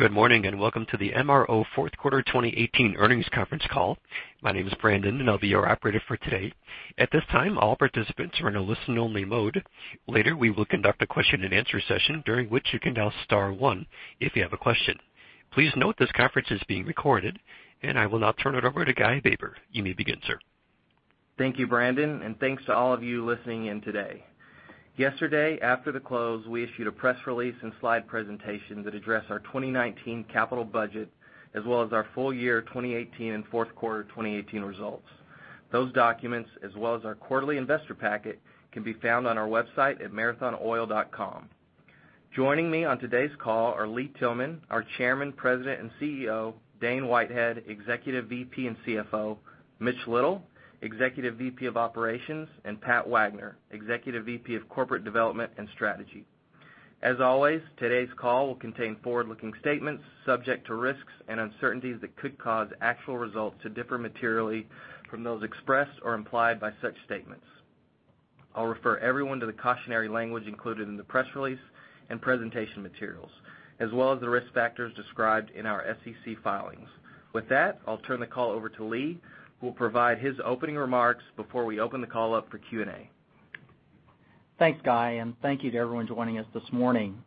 Good morning, and welcome to the MRO fourth quarter 2018 earnings conference call. My name is Brandon, and I'll be your operator for today. At this time, all participants are in a listen-only mode. Later, we will conduct a question and answer session during which you can dial star one if you have a question. Please note this conference is being recorded, and I will now turn it over to Guy Baber. You may begin, sir. Thank you, Brandon, and thanks to all of you listening in today. Yesterday, after the close, we issued a press release and slide presentation that addressed our 2019 capital budget as well as our full year 2018 and fourth quarter 2018 results. Those documents, as well as our quarterly investor packet, can be found on our website at marathonoil.com. Joining me on today's call are Lee Tillman, our Chairman, President, and CEO; Dane Whitehead, Executive VP and CFO; Mitch Little, Executive VP of Operations; and Pat Wagner, Executive VP of Corporate Development and Strategy. As always, today's call will contain forward-looking statements subject to risks and uncertainties that could cause actual results to differ materially from those expressed or implied by such statements. I'll refer everyone to the cautionary language included in the press release and presentation materials as well as the risk factors described in our SEC filings. With that, I'll turn the call over to Lee, who will provide his opening remarks before we open the call up for Q&A. Thanks, Guy, and thank you to everyone joining us this morning.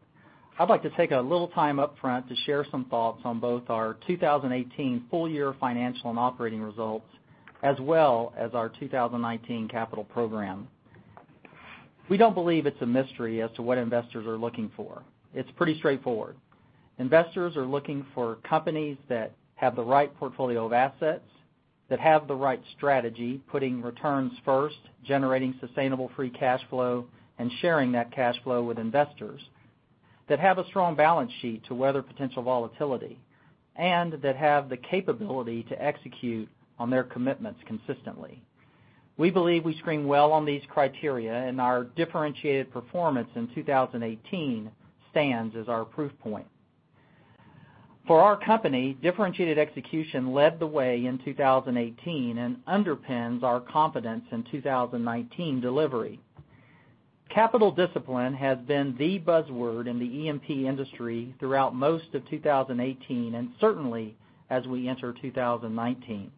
I'd like to take a little time up front to share some thoughts on both our 2018 full-year financial and operating results as well as our 2019 capital program. We don't believe it's a mystery as to what investors are looking for. It's pretty straightforward. Investors are looking for companies that have the right portfolio of assets, that have the right strategy, putting returns first, generating sustainable free cash flow, and sharing that cash flow with investors, that have a strong balance sheet to weather potential volatility, and that have the capability to execute on their commitments consistently. We believe we screen well on these criteria, and our differentiated performance in 2018 stands as our proof point. For our company, differentiated execution led the way in 2018 and underpins our confidence in 2019 delivery. Capital discipline has been the buzzword in the E&P industry throughout most of 2018, and certainly as we enter 2019.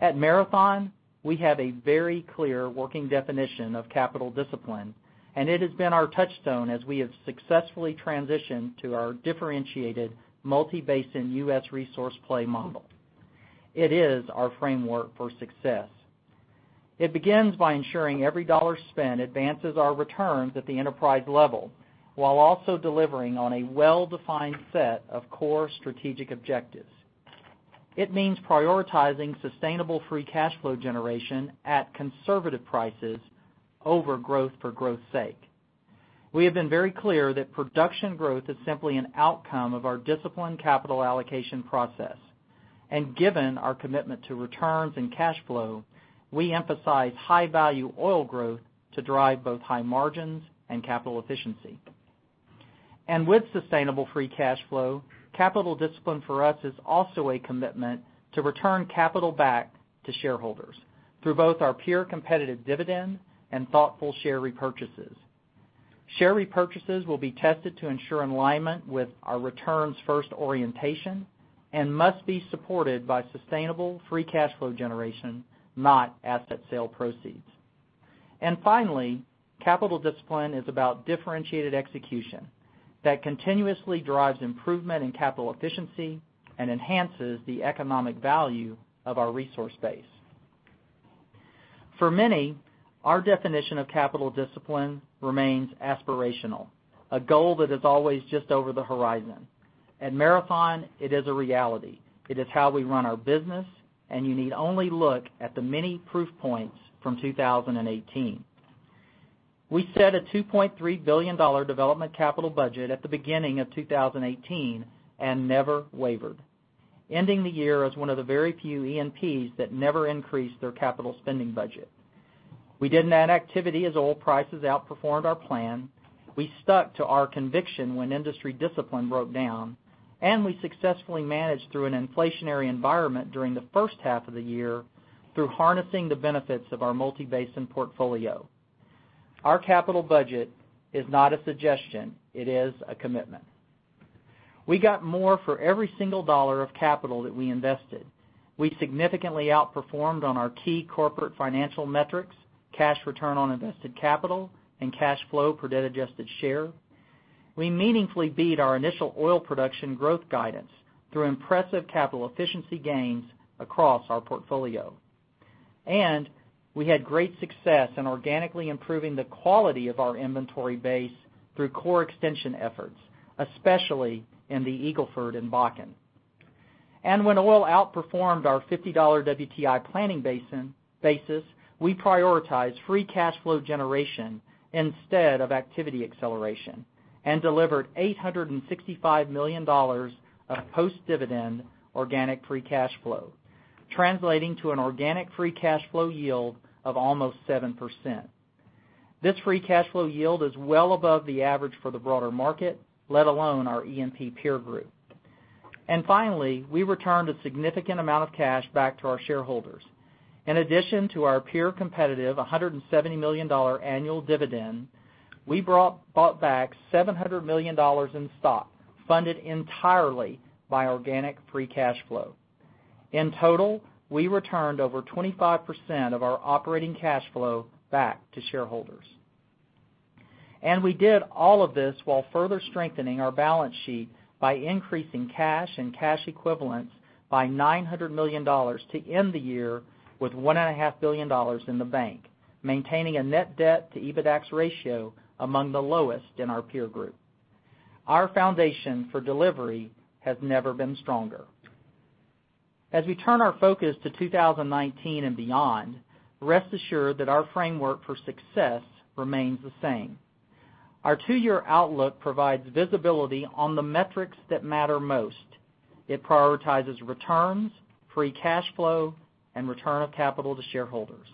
At Marathon, we have a very clear working definition of capital discipline, and it has been our touchstone as we have successfully transitioned to our differentiated multi-basin U.S. resource play model. It is our framework for success. It begins by ensuring every dollar spent advances our returns at the enterprise level while also delivering on a well-defined set of core strategic objectives. It means prioritizing sustainable free cash flow generation at conservative prices over growth for growth's sake. We have been very clear that production growth is simply an outcome of our disciplined capital allocation process. Given our commitment to returns and cash flow, we emphasize high-value oil growth to drive both high margins and capital efficiency. With sustainable free cash flow, capital discipline for us is also a commitment to return capital back to shareholders through both our pure competitive dividend and thoughtful share repurchases. Share repurchases will be tested to ensure alignment with our returns-first orientation and must be supported by sustainable free cash flow generation, not asset sale proceeds. Finally, capital discipline is about differentiated execution that continuously drives improvement in capital efficiency and enhances the economic value of our resource base. For many, our definition of capital discipline remains aspirational, a goal that is always just over the horizon. At Marathon, it is a reality. It is how we run our business, and you need only look at the many proof points from 2018. We set a $2.3 billion development capital budget at the beginning of 2018 and never wavered, ending the year as one of the very few E&Ps that never increased their capital spending budget. We didn't add activity as oil prices outperformed our plan. We stuck to our conviction when industry discipline broke down, and we successfully managed through an inflationary environment during the first half of the year through harnessing the benefits of our multi-basin portfolio. Our capital budget is not a suggestion, it is a commitment. We got more for every single dollar of capital that we invested. We significantly outperformed on our key corporate financial metrics, cash return on invested capital, and cash flow per debt-adjusted share. We meaningfully beat our initial oil production growth guidance through impressive capital efficiency gains across our portfolio. We had great success in organically improving the quality of our inventory base through core extension efforts, especially in the Eagle Ford and Bakken. When oil outperformed our $50 WTI planning basis, we prioritized free cash flow generation instead of activity acceleration and delivered $865 million of post-dividend organic free cash flow, translating to an organic free cash flow yield of almost 7%. This free cash flow yield is well above the average for the broader market, let alone our E&P peer group. Finally, we returned a significant amount of cash back to our shareholders. In addition to our peer competitive $170 million annual dividend, we bought back $700 million in stock, funded entirely by organic free cash flow. In total, we returned over 25% of our operating cash flow back to shareholders. We did all of this while further strengthening our balance sheet by increasing cash and cash equivalents by $900 million to end the year with $1.5 billion in the bank, maintaining a net debt to EBITDAX ratio among the lowest in our peer group. Our foundation for delivery has never been stronger. As we turn our focus to 2019 and beyond, rest assured that our framework for success remains the same. Our two-year outlook provides visibility on the metrics that matter most. It prioritizes returns, free cash flow, and return of capital to shareholders.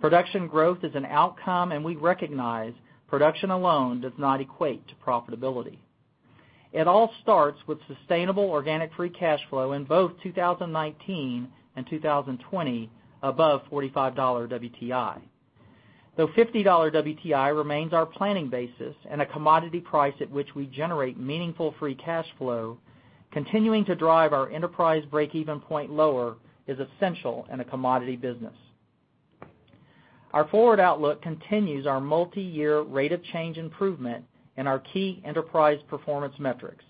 Production growth is an outcome, and we recognize production alone does not equate to profitability. It all starts with sustainable organic free cash flow in both 2019 and 2020 above $45 WTI. Though $50 WTI remains our planning basis and a commodity price at which we generate meaningful free cash flow, continuing to drive our enterprise break-even point lower is essential in a commodity business. Our forward outlook continues our multi-year rate of change improvement in our key enterprise performance metrics,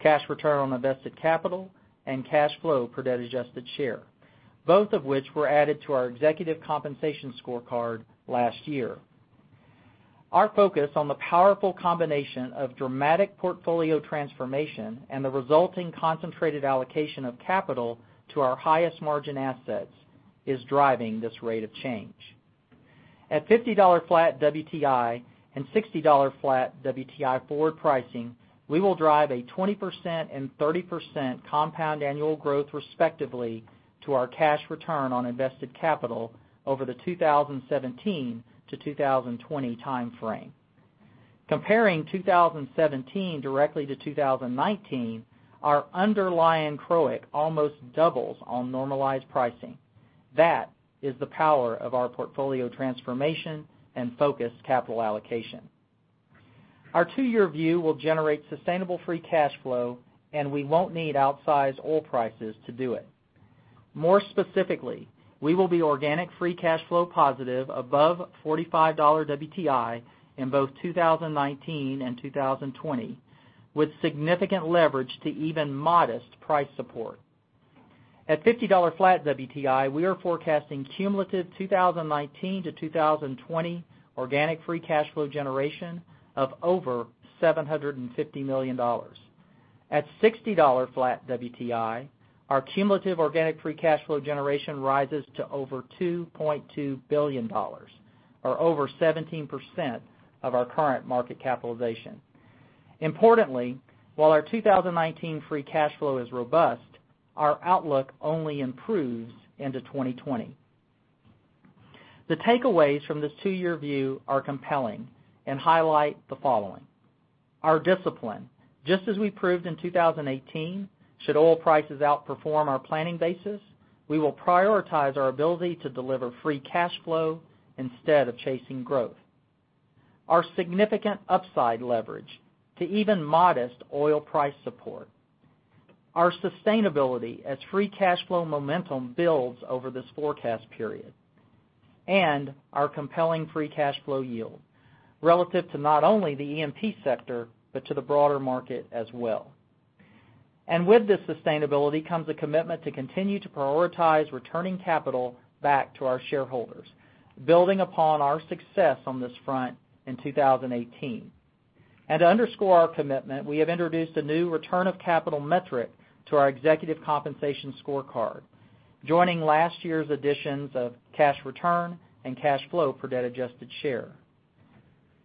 cash return on invested capital, and cash flow per debt-adjusted share, both of which were added to our executive compensation scorecard last year. Our focus on the powerful combination of dramatic portfolio transformation and the resulting concentrated allocation of capital to our highest margin assets is driving this rate of change. At $50 flat WTI and $60 flat WTI forward pricing, we will drive a 20% and 30% compound annual growth, respectively, to our cash return on invested capital over the 2017-2020 time frame. Comparing 2017 directly to 2019, our underlying CROIC almost doubles on normalized pricing. That is the power of our portfolio transformation and focused capital allocation. Our two-year view will generate sustainable free cash flow, and we won't need outsized oil prices to do it. More specifically, we will be organic free cash flow positive above $45 WTI in both 2019 and 2020, with significant leverage to even modest price support. At $50 flat WTI, we are forecasting cumulative 2019-2020 organic free cash flow generation of over $750 million. At $60 flat WTI, our cumulative organic free cash flow generation rises to over $2.2 billion, or over 17% of our current market capitalization. Importantly, while our 2019 free cash flow is robust, our outlook only improves into 2020. The takeaways from this two-year view are compelling and highlight the following. Our discipline. Just as we proved in 2018, should oil prices outperform our planning basis, we will prioritize our ability to deliver free cash flow instead of chasing growth. Our significant upside leverage to even modest oil price support. Our sustainability as free cash flow momentum builds over this forecast period. Our compelling free cash flow yield, relative to not only the E&P sector, but to the broader market as well. With this sustainability comes a commitment to continue to prioritize returning capital back to our shareholders, building upon our success on this front in 2018. To underscore our commitment, we have introduced a new return of capital metric to our executive compensation scorecard, joining last year's additions of cash return and cash flow per debt-adjusted share.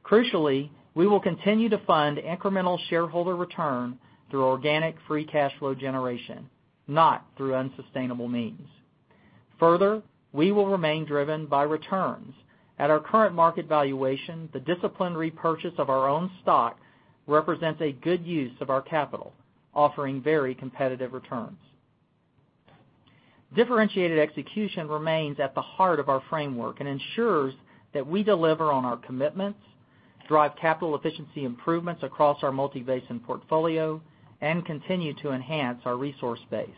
Crucially, we will continue to fund incremental shareholder return through organic free cash flow generation, not through unsustainable means. We will remain driven by returns. At our current market valuation, the disciplined repurchase of our own stock represents a good use of our capital, offering very competitive returns. Differentiated execution remains at the heart of our framework and ensures that we deliver on our commitments, drive capital efficiency improvements across our multi-basin portfolio, and continue to enhance our resource base.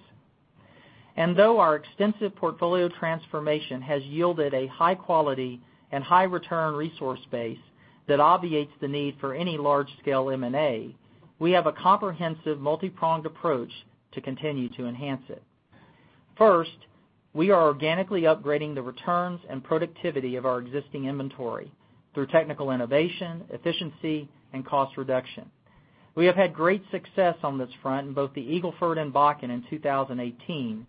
Though our extensive portfolio transformation has yielded a high quality and high return resource base that obviates the need for any large-scale M&A, we have a comprehensive multi-pronged approach to continue to enhance it. First, we are organically upgrading the returns and productivity of our existing inventory through technical innovation, efficiency, and cost reduction. We have had great success on this front in both the Eagle Ford and Bakken in 2018,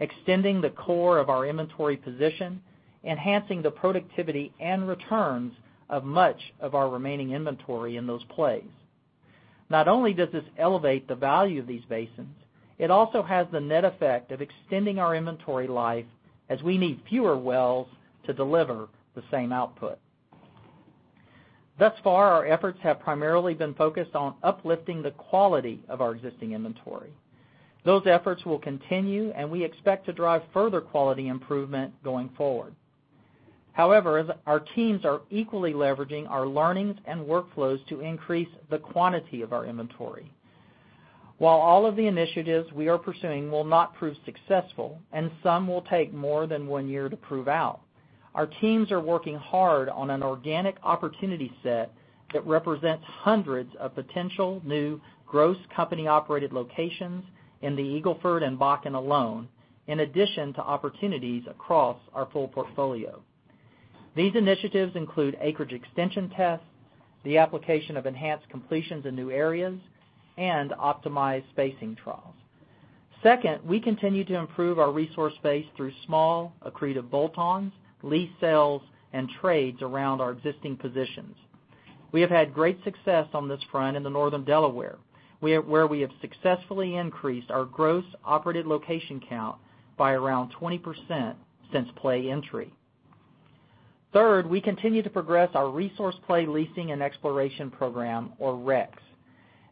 extending the core of our inventory position, enhancing the productivity and returns of much of our remaining inventory in those plays. Not only does this elevate the value of these basins, it also has the net effect of extending our inventory life as we need fewer wells to deliver the same output. Thus far, our efforts have primarily been focused on uplifting the quality of our existing inventory. Those efforts will continue, and we expect to drive further quality improvement going forward. However, our teams are equally leveraging our learnings and workflows to increase the quantity of our inventory. While all of the initiatives we are pursuing will not prove successful, and some will take more than one year to prove out, our teams are working hard on an organic opportunity set that represents hundreds of potential new gross company-operated locations in the Eagle Ford and Bakken alone, in addition to opportunities across our full portfolio. These initiatives include acreage extension tests, the application of enhanced completions in new areas, and optimized spacing trials. Second, we continue to improve our resource base through small accretive bolt-ons, lease sales, and trades around our existing positions. We have had great success on this front in the Northern Delaware, where we have successfully increased our gross operated location count by around 20% since play entry. Third, we continue to progress our resource play leasing and exploration program, or REx,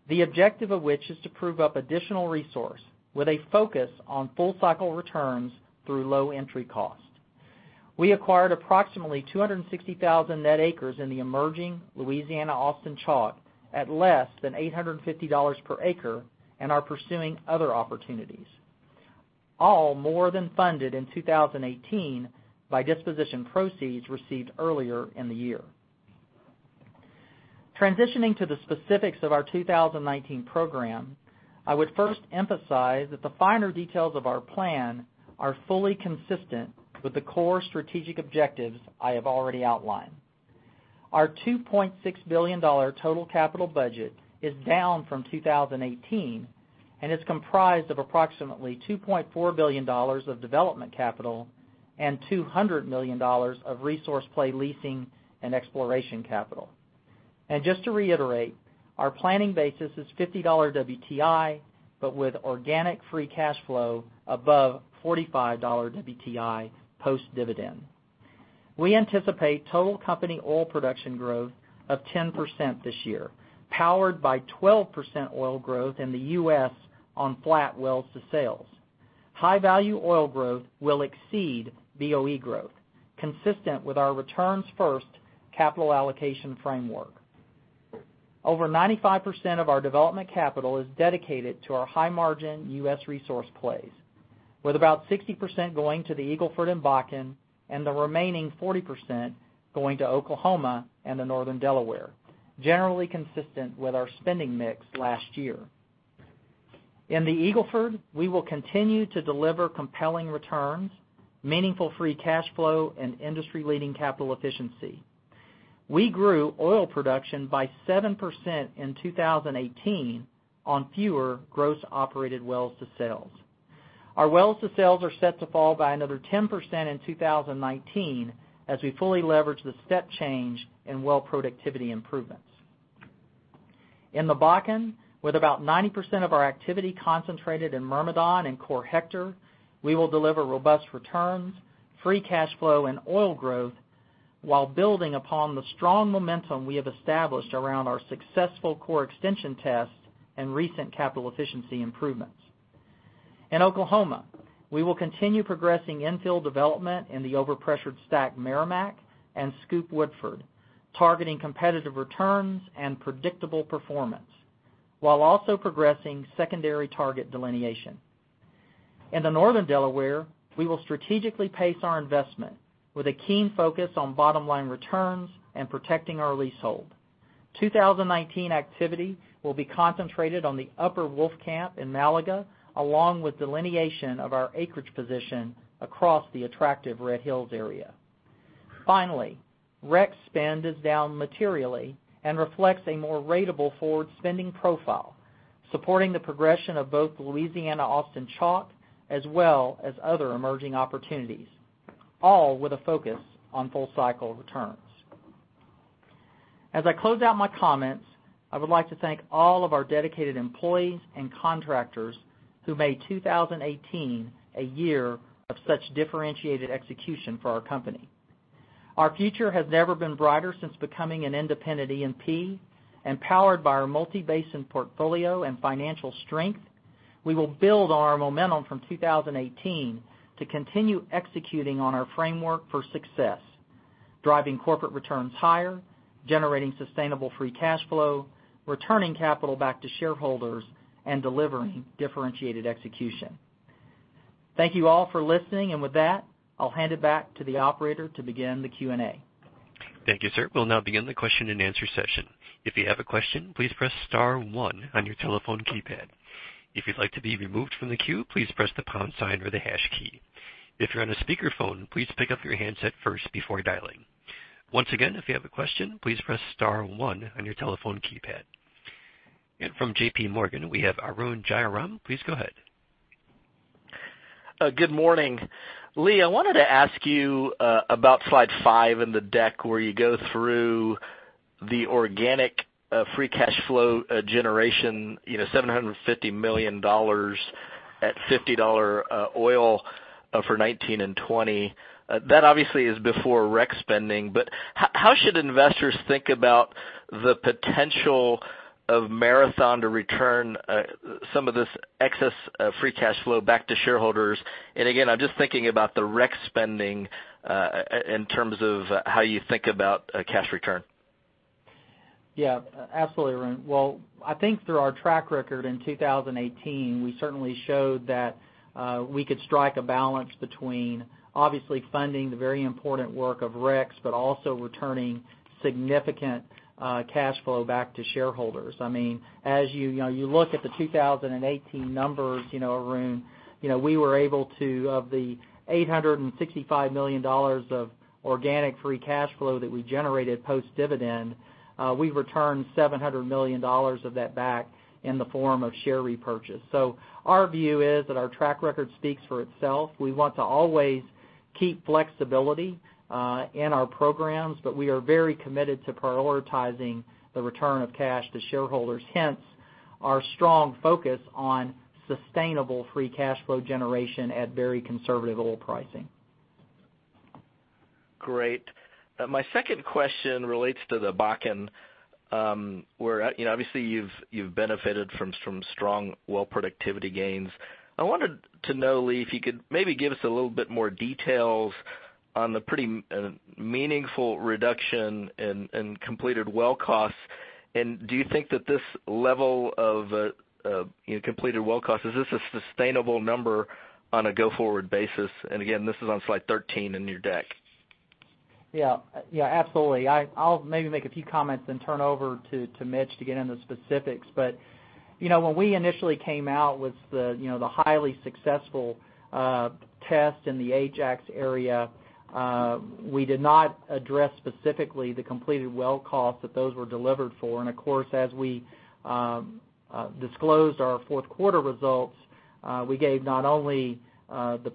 the objective of which is to prove up additional resource with a focus on full-cycle returns through low entry cost. We acquired approximately 260,000 net acres in the emerging Louisiana Austin Chalk at less than $850 per acre and are pursuing other opportunities, all more than funded in 2018 by disposition proceeds received earlier in the year. Transitioning to the specifics of our 2019 program, I would first emphasize that the finer details of our plan are fully consistent with the core strategic objectives I have already outlined. Our $2.6 billion total capital budget is down from 2018 and is comprised of approximately $2.4 billion of development capital and $200 million of resource play leasing and exploration capital. Just to reiterate, our planning basis is $50 WTI, but with organic free cash flow above $45 WTI post-dividend. We anticipate total company oil production growth of 10% this year, powered by 12% oil growth in the U.S. on flat wells to sales. High-value oil growth will exceed BOE growth, consistent with our returns-first capital allocation framework. Over 95% of our development capital is dedicated to our high-margin U.S. resource plays, with about 60% going to the Eagle Ford and Bakken and the remaining 40% going to Oklahoma and the Northern Delaware, generally consistent with our spending mix last year. In the Eagle Ford, we will continue to deliver compelling returns, meaningful free cash flow, and industry-leading capital efficiency. We grew oil production by 7% in 2018 on fewer gross operated wells to sales. Our wells to sales are set to fall by another 10% in 2019 as we fully leverage the step change in well productivity improvements. In the Bakken, with about 90% of our activity concentrated in Myrmidon and core Hector, we will deliver robust returns, free cash flow, and oil growth while building upon the strong momentum we have established around our successful core extension tests and recent capital efficiency improvements. In Oklahoma, we will continue progressing infill development in the overpressured STACK Meramec and SCOOP Woodford, targeting competitive returns and predictable performance while also progressing secondary target delineation. In the Northern Delaware, we will strategically pace our investment with a keen focus on bottom-line returns and protecting our leasehold. 2019 activity will be concentrated on the Upper Wolfcamp in Malaga, along with delineation of our acreage position across the attractive Red Hills area. REx spend is down materially and reflects a more ratable forward spending profile, supporting the progression of both Louisiana Austin Chalk as well as other emerging opportunities, all with a focus on full-cycle returns. As I close out my comments, I would like to thank all of our dedicated employees and contractors who made 2018 a year of such differentiated execution for our company. Our future has never been brighter since becoming an independent E&P and powered by our multi-basin portfolio and financial strength, we will build on our momentum from 2018 to continue executing on our framework for success, driving corporate returns higher, generating sustainable free cash flow, returning capital back to shareholders, and delivering differentiated execution. Thank you all for listening, and with that, I'll hand it back to the operator to begin the Q&A. Thank you, sir. We'll now begin the question and answer session. If you have a question, please press star one on your telephone keypad. If you'd like to be removed from the queue, please press the pound sign or the hash key. If you're on a speakerphone, please pick up your handset first before dialing. Once again, if you have a question, please press star one on your telephone keypad. From JPMorgan, we have Arun Jayaram. Please go ahead. Good morning. Lee, I wanted to ask you about slide five in the deck where you go through the organic free cash flow generation, $750 million at $50 oil for 2019 and 2020. That obviously is before REx spending, how should investors think about the potential of Marathon to return some of this excess free cash flow back to shareholders? Again, I'm just thinking about the REx spending in terms of how you think about cash return. Yeah, absolutely, Arun. Well, I think through our track record in 2018, we certainly showed that we could strike a balance between obviously funding the very important work of REx, also returning significant cash flow back to shareholders. As you look at the 2018 numbers, Arun, we were able to, of the $865 million of organic free cash flow that we generated post-dividend, we returned $700 million of that back in the form of share repurchase. Our view is that our track record speaks for itself. We want to always keep flexibility in our programs, we are very committed to prioritizing the return of cash to shareholders, hence our strong focus on sustainable free cash flow generation at very conservative oil pricing. Great. My second question relates to the Bakken, where obviously you've benefited from some strong well productivity gains. I wanted to know, Lee, if you could maybe give us a little bit more details on the pretty meaningful reduction in completed well costs. Do you think that this level of completed well costs, is this a sustainable number on a go-forward basis? Again, this is on slide 13 in your deck. Yeah. Absolutely. I'll maybe make a few comments then turn over to Mitch to get into specifics. When we initially came out with the highly successful test in the Ajax area, we did not address specifically the completed well cost that those were delivered for. Of course, as we disclosed our fourth quarter results, we gave not only the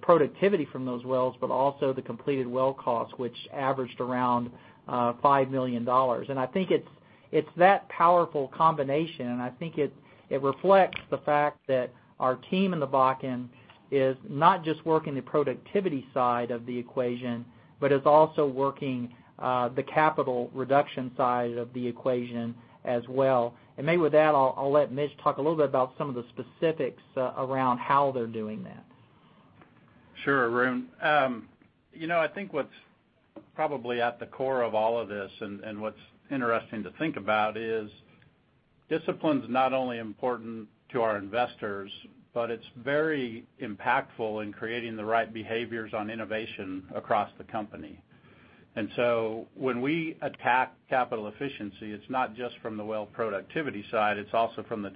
productivity from those wells, but also the completed well cost, which averaged around $5 million. I think it's that powerful combination, and I think it reflects the fact that our team in the Bakken is not just working the productivity side of the equation, but is also working the capital reduction side of the equation as well. Maybe with that, I'll let Mitch talk a little bit about some of the specifics around how they're doing that. Sure, Arun. I think what's probably at the core of all of this, and what's interesting to think about is discipline's not only important to our investors, but it's very impactful in creating the right behaviors on innovation across the company. When we attack capital efficiency, it's not just from the well productivity side, it's also from the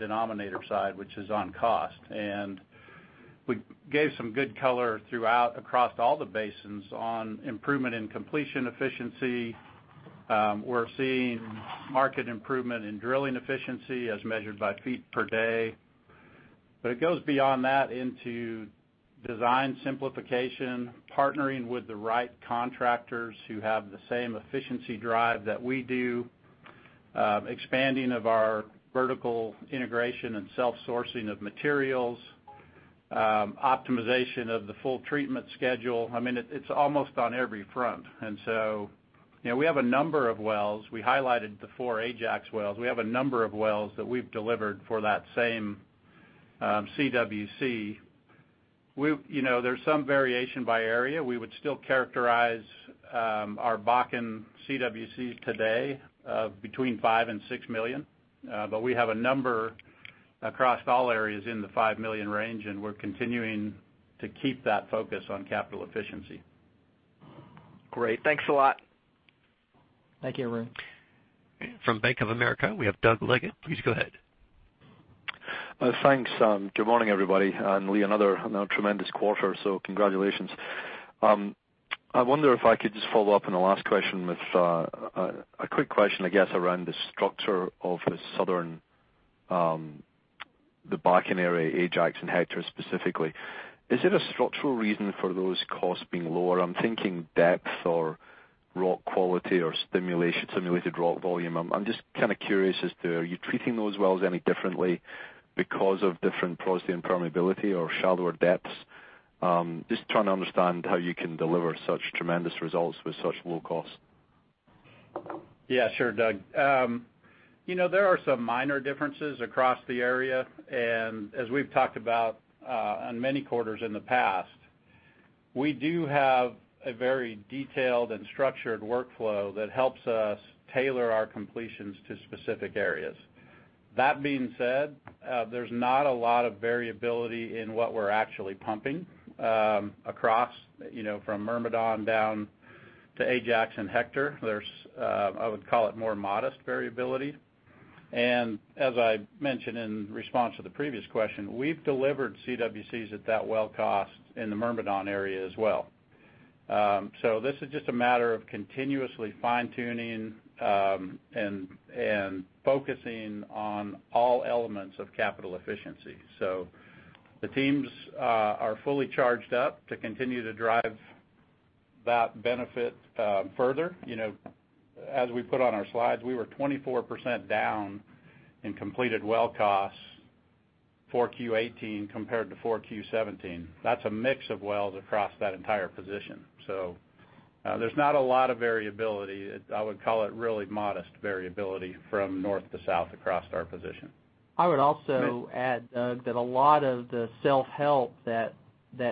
denominator side, which is on cost. We gave some good color throughout across all the basins on improvement in completion efficiency. We're seeing market improvement in drilling efficiency as measured by feet per day. It goes beyond that into design simplification, partnering with the right contractors who have the same efficiency drive that we do, expanding of our vertical integration and self-sourcing of materials, optimization of the full treatment schedule. It's almost on every front. We have a number of wells. We highlighted the four Ajax wells. We have a number of wells that we've delivered for that same CWC. There's some variation by area. We would still characterize our Bakken CWC today between $5 million and $6 million. We have a number across all areas in the $5 million range, and we're continuing to keep that focus on capital efficiency. Great. Thanks a lot. Thank you, Arun. From Bank of America, we have Doug Leggate. Please go ahead. Thanks. Good morning, everybody. Lee, another tremendous quarter, congratulations. I wonder if I could just follow up on the last question with a quick question, I guess, around the structure of the southern, the Bakken area, Ajax and Hector specifically. Is it a structural reason for those costs being lower? I'm thinking depth or rock quality or stimulated rock volume. I'm just kind of curious as to, are you treating those wells any differently because of different porosity and permeability or shallower depths? Just trying to understand how you can deliver such tremendous results with such low cost. Yeah. Sure, Doug. There are some minor differences across the area. As we've talked about on many quarters in the past, we do have a very detailed and structured workflow that helps us tailor our completions to specific areas. That being said, there's not a lot of variability in what we're actually pumping across from Myrmidon down to Ajax and Hector. There's, I would call it, more modest variability. As I mentioned in response to the previous question, we've delivered CWC at that well cost in the Myrmidon area as well. This is just a matter of continuously fine-tuning and focusing on all elements of capital efficiency. The teams are fully charged up to continue to drive that benefit further. As we put on our slides, we were 24% down in completed well costs for 4Q 2018 compared to 4Q 2017. That's a mix of wells across that entire position. There's not a lot of variability. I would call it really modest variability from north to south across our position. I would also add, Doug, that a lot of the self-help that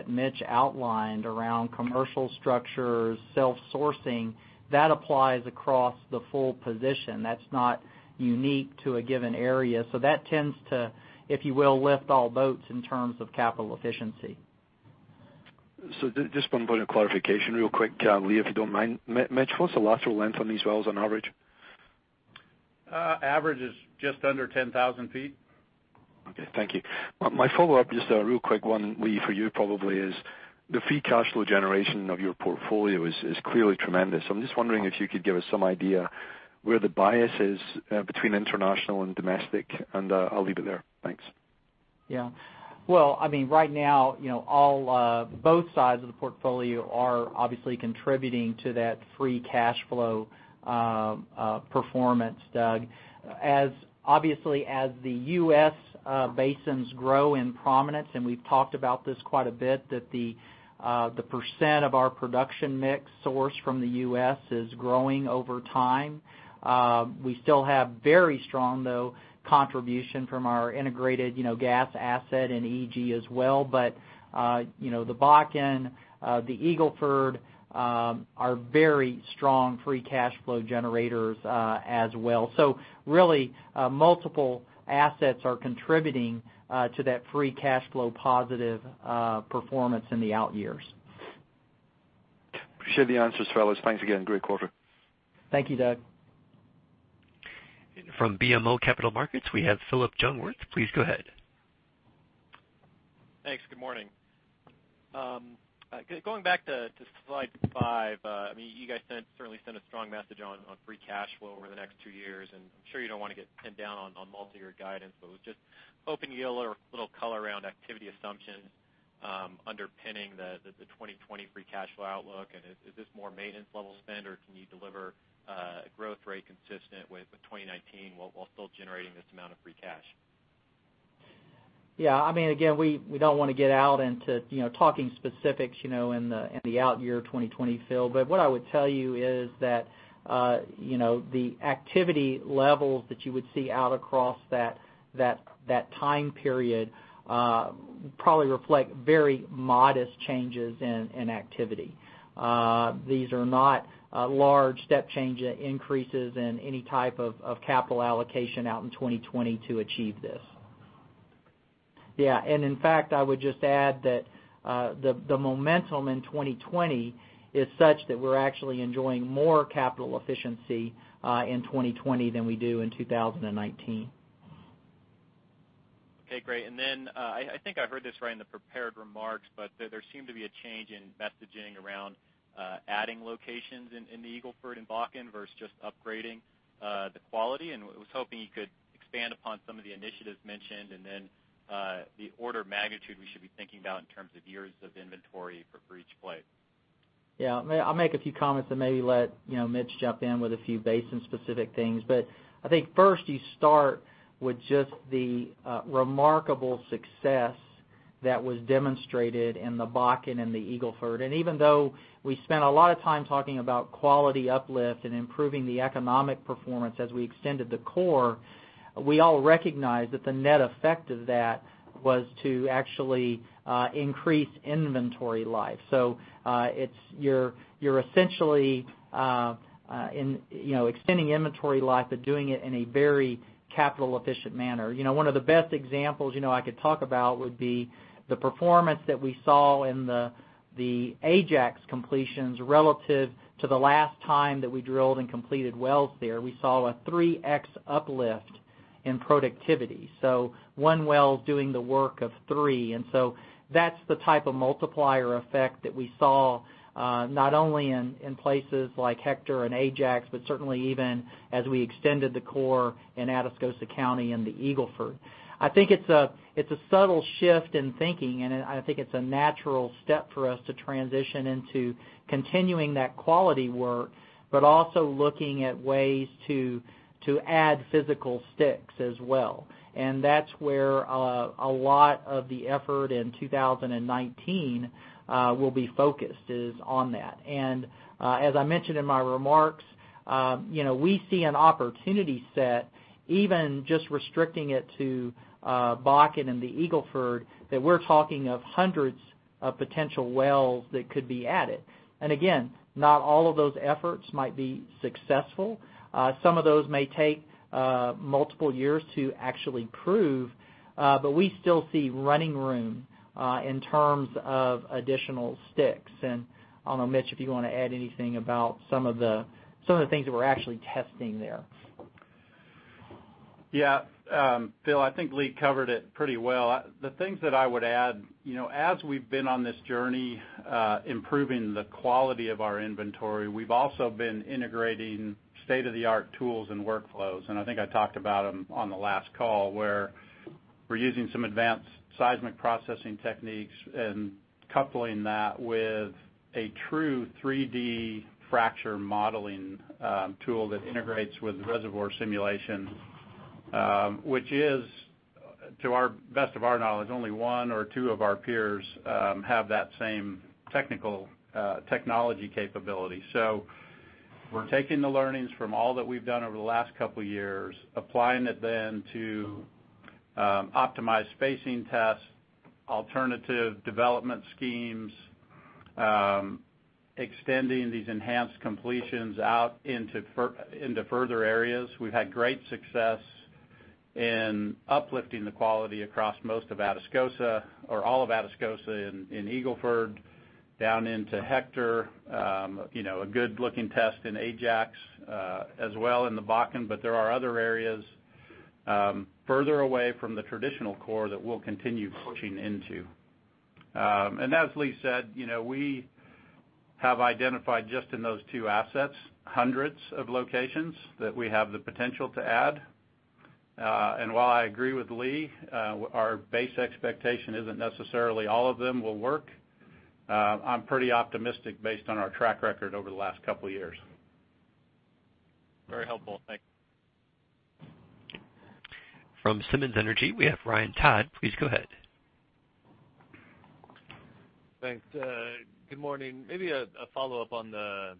Mitch outlined around commercial structures, self-sourcing, that applies across the full position. That's not unique to a given area. That tends to, if you will, lift all boats in terms of capital efficiency. Just one point of clarification real quick, Lee, if you don't mind. Mitch, what's the lateral length on these wells on average? Average is just under 10,000 ft. Okay. Thank you. My follow-up, just a real quick one, Lee, for you probably is, the free cash flow generation of your portfolio is clearly tremendous. I'm just wondering if you could give us some idea where the bias is between international and domestic, and I'll leave it there. Thanks. Well, right now, both sides of the portfolio are obviously contributing to that free cash flow performance, Doug. Obviously as the U.S. basins grow in prominence, and we've talked about this quite a bit, that the percent of our production mix sourced from the U.S. is growing over time. We still have very strong, though, contribution from our integrated gas asset and EG as well. The Bakken, the Eagle Ford, are very strong free cash flow generators as well. Really, multiple assets are contributing to that free cash flow positive performance in the out years. Appreciate the answers, fellas. Thanks again. Great quarter. Thank you, Doug. From BMO Capital Markets, we have Phillip Jungwirth. Please go ahead. Thanks. Good morning. Going back to slide five. You guys certainly sent a strong message on free cash flow over the next two years, and I'm sure you don't want to get pinned down on multi-year guidance, but was just hoping to get a little color around activity assumptions underpinning the 2020 free cash flow outlook, and is this more maintenance level spend, or can you deliver a growth rate consistent with 2019 while still generating this amount of free cash? Yeah. Again, we don't want to get out into talking specifics in the out year 2020, Phil. What I would tell you is that the activity levels that you would see out across that time period probably reflect very modest changes in activity. These are not large step change increases in any type of capital allocation out in 2020 to achieve this. Yeah. In fact, I would just add that the momentum in 2020 is such that we're actually enjoying more capital efficiency in 2020 than we do in 2019. Okay, great. I think I heard this right in the prepared remarks, but there seemed to be a change in messaging around adding locations in the Eagle Ford and Bakken versus just upgrading the quality, and was hoping you could expand upon some of the initiatives mentioned, and then the order of magnitude we should be thinking about in terms of years of inventory for each play. I'll make a few comments and maybe let Mitch jump in with a few basin specific things. I think first you start with just the remarkable success that was demonstrated in the Bakken and the Eagle Ford. Even though we spent a lot of time talking about quality uplift and improving the economic performance as we extended the core, we all recognize that the net effect of that was to actually increase inventory life. You're essentially extending inventory life, but doing it in a very capital efficient manner. One of the best examples I could talk about would be the performance that we saw in the Ajax completions relative to the last time that we drilled and completed wells there. We saw a 3x uplift in productivity. One well's doing the work of three. That's the type of multiplier effect that we saw, not only in places like Hector and Ajax, but certainly even as we extended the core in Atascosa County and the Eagle Ford. I think it's a subtle shift in thinking, and I think it's a natural step for us to transition into continuing that quality work, but also looking at ways to add physical sticks as well. That's where a lot of the effort in 2019 will be focused is on that. As I mentioned in my remarks, we see an opportunity set, even just restricting it to Bakken and the Eagle Ford, that we're talking of hundreds of potential wells that could be added. Again, not all of those efforts might be successful. Some of those may take multiple years to actually prove. We still see running room in terms of additional sticks. I don't know, Mitch, if you want to add anything about some of the things that we're actually testing there. Phil, I think Lee covered it pretty well. The things that I would add, as we've been on this journey improving the quality of our inventory, we've also been integrating state-of-the-art tools and workflows, and I think I talked about them on the last call, where we're using some advanced seismic processing techniques and coupling that with a true 3D fracture modeling tool that integrates with reservoir simulation, which is, to the best of our knowledge, only one or two of our peers have that same technical technology capability. We're taking the learnings from all that we've done over the last couple of years, applying it then to optimize spacing tests, alternative development schemes, extending these enhanced completions out into further areas. We've had great success in uplifting the quality across most of Atascosa, or all of Atascosa in Eagle Ford, down into Hector, a good-looking test in Ajax, as well in the Bakken. There are other areas further away from the traditional core that we'll continue pushing into. As Lee said, we have identified just in those two assets, hundreds of locations that we have the potential to add. While I agree with Lee, our base expectation isn't necessarily all of them will work. I'm pretty optimistic based on our track record over the last couple of years. Very helpful. Thank you. From Simmons Energy, we have Ryan Todd. Please go ahead. Thanks. Good morning. Maybe a follow-up on the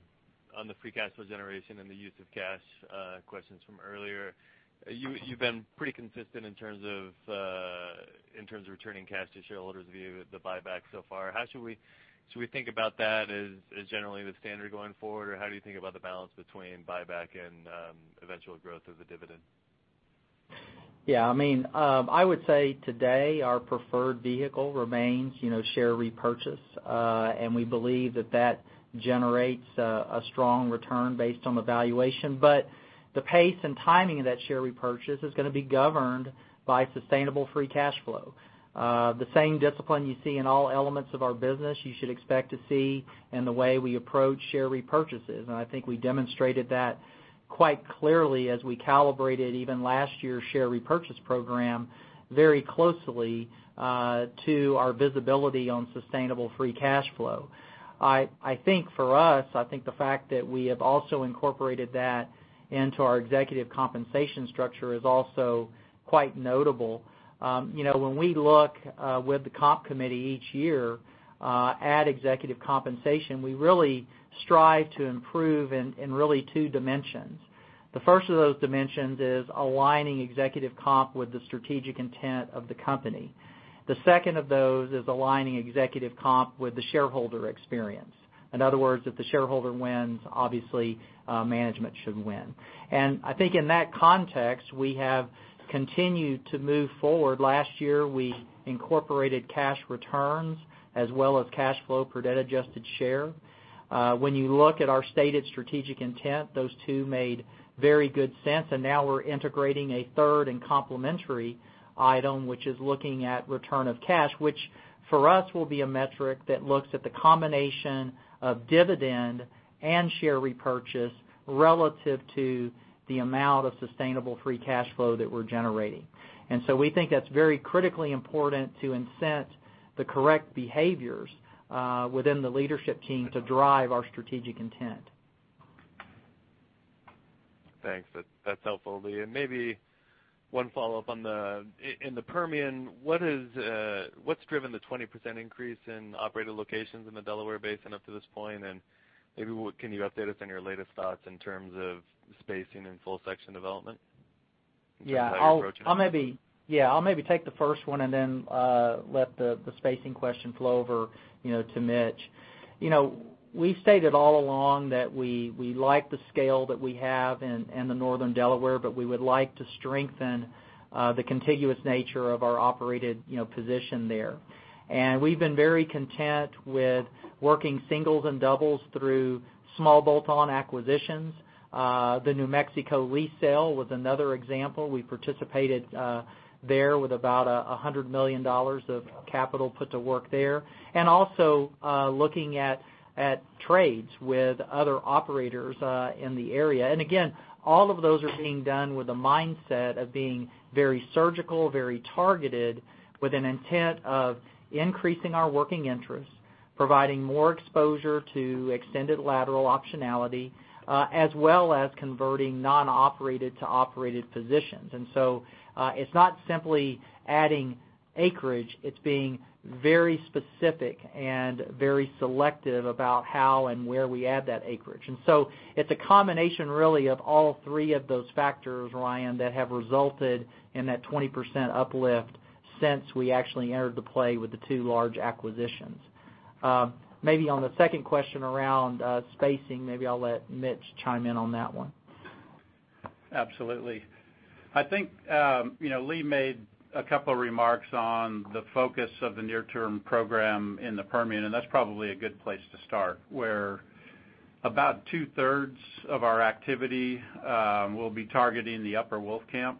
free cash flow generation and the use of cash questions from earlier. You've been pretty consistent in terms of returning cash to shareholders via the buyback so far. Should we think about that as generally the standard going forward, or how do you think about the balance between buyback and eventual growth of the dividend? Yeah, I would say today our preferred vehicle remains share repurchase. We believe that that generates a strong return based on the valuation. The pace and timing of that share repurchase is going to be governed by sustainable free cash flow. The same discipline you see in all elements of our business, you should expect to see in the way we approach share repurchases. I think we demonstrated that quite clearly as we calibrated even last year's share repurchase program very closely to our visibility on sustainable free cash flow. I think for us, I think the fact that we have also incorporated that into our executive compensation structure is also quite notable. When we look with the comp committee each year at executive compensation, we really strive to improve in really two dimensions. The first of those dimensions is aligning executive comp with the strategic intent of the company. The second of those is aligning executive comp with the shareholder experience. In other words, if the shareholder wins, obviously management should win. I think in that context, we have continued to move forward. Last year, we incorporated cash returns as well as cash flow per debt adjusted share. When you look at our stated strategic intent, those two made very good sense. Now we're integrating a third and complementary item, which is looking at return of cash, which for us will be a metric that looks at the combination of dividend and share repurchase relative to the amount of sustainable free cash flow that we're generating. We think that's very critically important to incent the correct behaviors within the leadership team to drive our strategic intent. Thanks. That's helpful, Lee. Maybe one follow-up. In the Permian, what's driven the 20% increase in operator locations in the Delaware Basin up to this point? Maybe can you update us on your latest thoughts in terms of spacing and full section development? Yeah. How you're approaching it? Yeah, I'll maybe take the first one. Then let the spacing question flow over to Mitch. We stated all along that we like the scale that we have in the Northern Delaware, but we would like to strengthen the contiguous nature of our operated position there. We've been very content with working singles and doubles through small bolt-on acquisitions. The New Mexico lease sale was another example. We participated there with about $100 million of capital put to work there, also looking at trades with other operators in the area. Again, all of those are being done with a mindset of being very surgical, very targeted, with an intent of increasing our working interest, providing more exposure to extended lateral optionality, as well as converting non-operated to operated positions. It's not simply adding acreage, it's being very specific and very selective about how and where we add that acreage. It's a combination really of all three of those factors, Ryan, that have resulted in that 20% uplift since we actually entered the play with the two large acquisitions. Maybe on the second question around spacing, maybe I'll let Mitch chime in on that one. Absolutely. I think Lee made a couple of remarks on the focus of the near-term program in the Permian, and that's probably a good place to start. Where about two-thirds of our activity will be targeting the Upper Wolfcamp,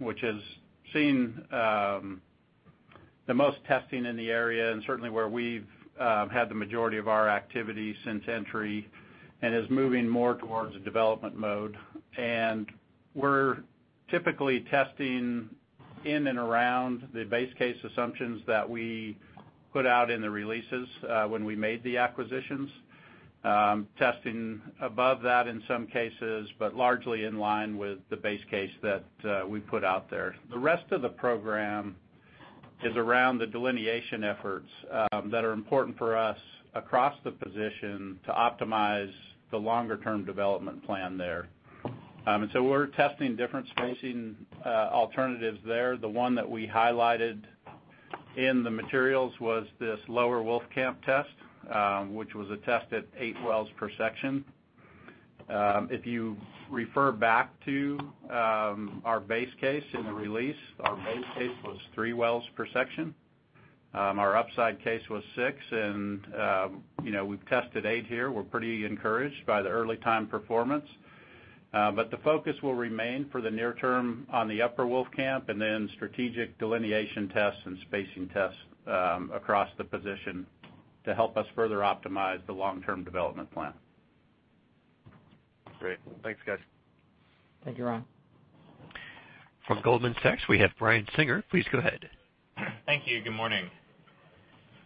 which has seen the most testing in the area, and certainly where we've had the majority of our activity since entry, and is moving more towards a development mode. We're typically testing in and around the base case assumptions that we put out in the releases when we made the acquisitions. Testing above that in some cases, but largely in line with the base case that we put out there. The rest of the program is around the delineation efforts that are important for us across the position to optimize the longer-term development plan there. We're testing different spacing alternatives there. The one that we highlighted in the materials was this Lower Wolfcamp test, which was a test at eight wells per section. If you refer back to our base case in the release, our base case was three wells per section. Our upside case was six, and we've tested eight here. We're pretty encouraged by the early time performance. The focus will remain for the near term on the Upper Wolfcamp, then strategic delineation tests and spacing tests across the position to help us further optimize the long-term development plan. Great. Thanks, guys. Thank you, Ryan. From Goldman Sachs, we have Brian Singer. Please go ahead. Thank you. Good morning.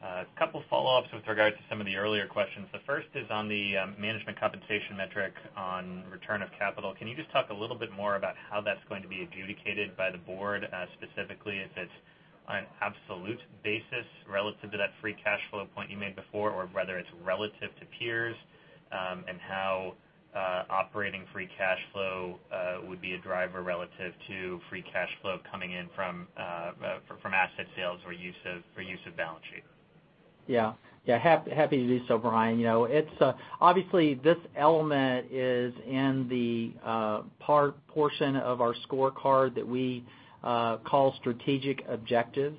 A couple follow-ups with regards to some of the earlier questions. The first is on the management compensation metric on return of capital. Can you just talk a little bit more about how that's going to be adjudicated by the board? Specifically, if it's on an absolute basis relative to that free cash flow point you made before, or whether it's relative to peers, and how operating free cash flow would be a driver relative to free cash flow coming in from asset sales for use of balance sheet. Yeah. Happy to do so, Brian. Obviously, this element is in the portion of our scorecard that we call strategic objectives.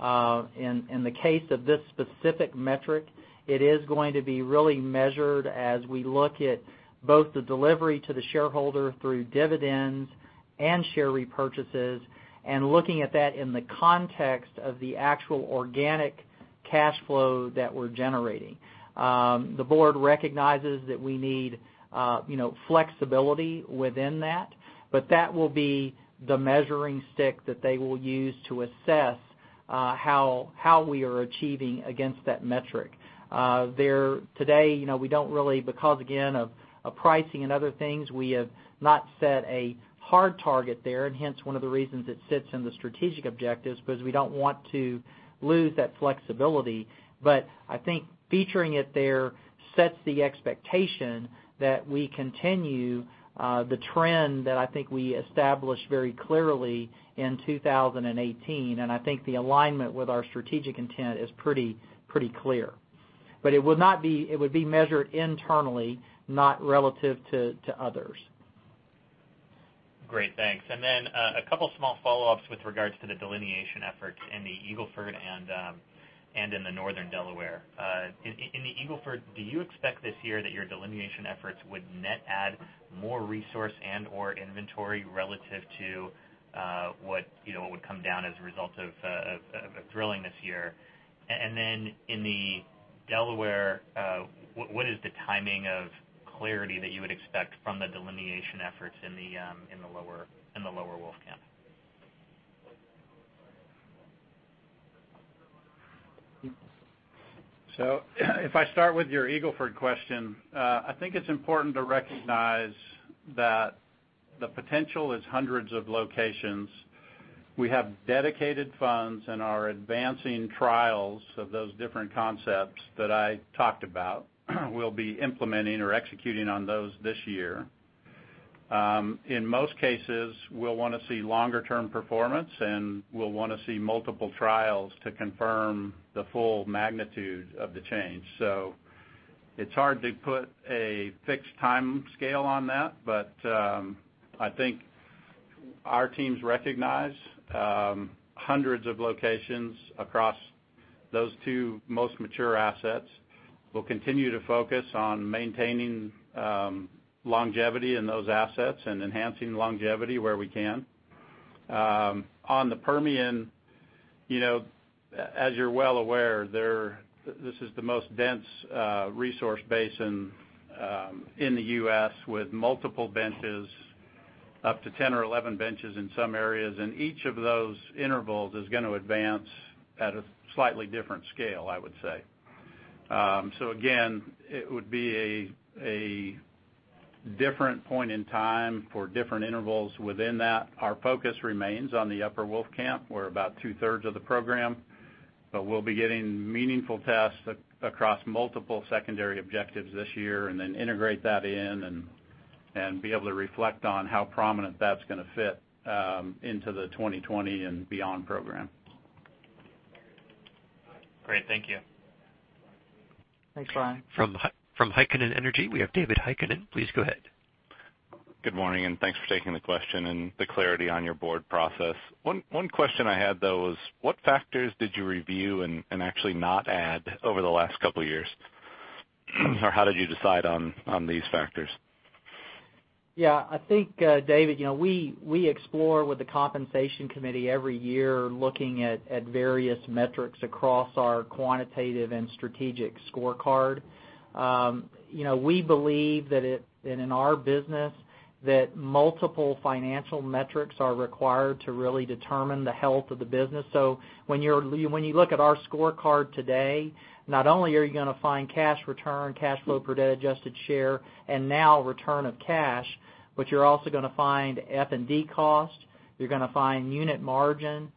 In the case of this specific metric, it is going to be really measured as we look at both the delivery to the shareholder through dividends and share repurchases, and looking at that in the context of the actual organic cash flow that we're generating. The board recognizes that we need flexibility within that, but that will be the measuring stick that they will use to assess how we are achieving against that metric. Today, because again, of pricing and other things, we have not set a hard target there, and hence one of the reasons it sits in the strategic objectives, because we don't want to lose that flexibility. I think featuring it there sets the expectation that we continue the trend that I think we established very clearly in 2018, and I think the alignment with our strategic intent is pretty clear. It would be measured internally, not relative to others. Great, thanks. A couple small follow-ups with regards to the delineation efforts in the Eagle Ford and in the Northern Delaware. In the Eagle Ford, do you expect this year that your delineation efforts would net add more resource and/or inventory relative to what would come down as a result of drilling this year? In the Delaware, what is the timing of clarity that you would expect from the delineation efforts in the Lower Wolfcamp? If I start with your Eagle Ford question, I think it's important to recognize that the potential is hundreds of locations. We have dedicated funds and are advancing trials of those different concepts that I talked about. We'll be implementing or executing on those this year. In most cases, we'll want to see longer-term performance, and we'll want to see multiple trials to confirm the full magnitude of the change. It's hard to put a fixed timescale on that, but I think our teams recognize hundreds of locations across those two most mature assets. We'll continue to focus on maintaining longevity in those assets and enhancing longevity where we can. On the Permian, as you're well aware, this is the most dense resource basin in the U.S. with multiple benches, up to 10 or 11 benches in some areas. Each of those intervals is going to advance at a slightly different scale, I would say. Again, it would be a different point in time for different intervals within that. Our focus remains on the Upper Wolfcamp. We're about two-thirds of the program. We'll be getting meaningful tests across multiple secondary objectives this year, integrate that in, and be able to reflect on how prominent that's going to fit into the 2020 and beyond program. Great. Thank you. Thanks, Brian. From Heikkinen Energy, we have David Heikkinen. Please go ahead. Good morning, thanks for taking the question and the clarity on your board process. One question I had, though, is what factors did you review and actually not add over the last couple of years? How did you decide on these factors? Yeah, I think, David, we explore with the compensation committee every year, looking at various metrics across our quantitative and strategic scorecard. We believe that in our business, that multiple financial metrics are required to really determine the health of the business. When you look at our scorecard today, not only are you going to find cash return, cash flow per debt adjusted share, and now return of cash, but you're also going to find F&D cost, you're going to find unit margin.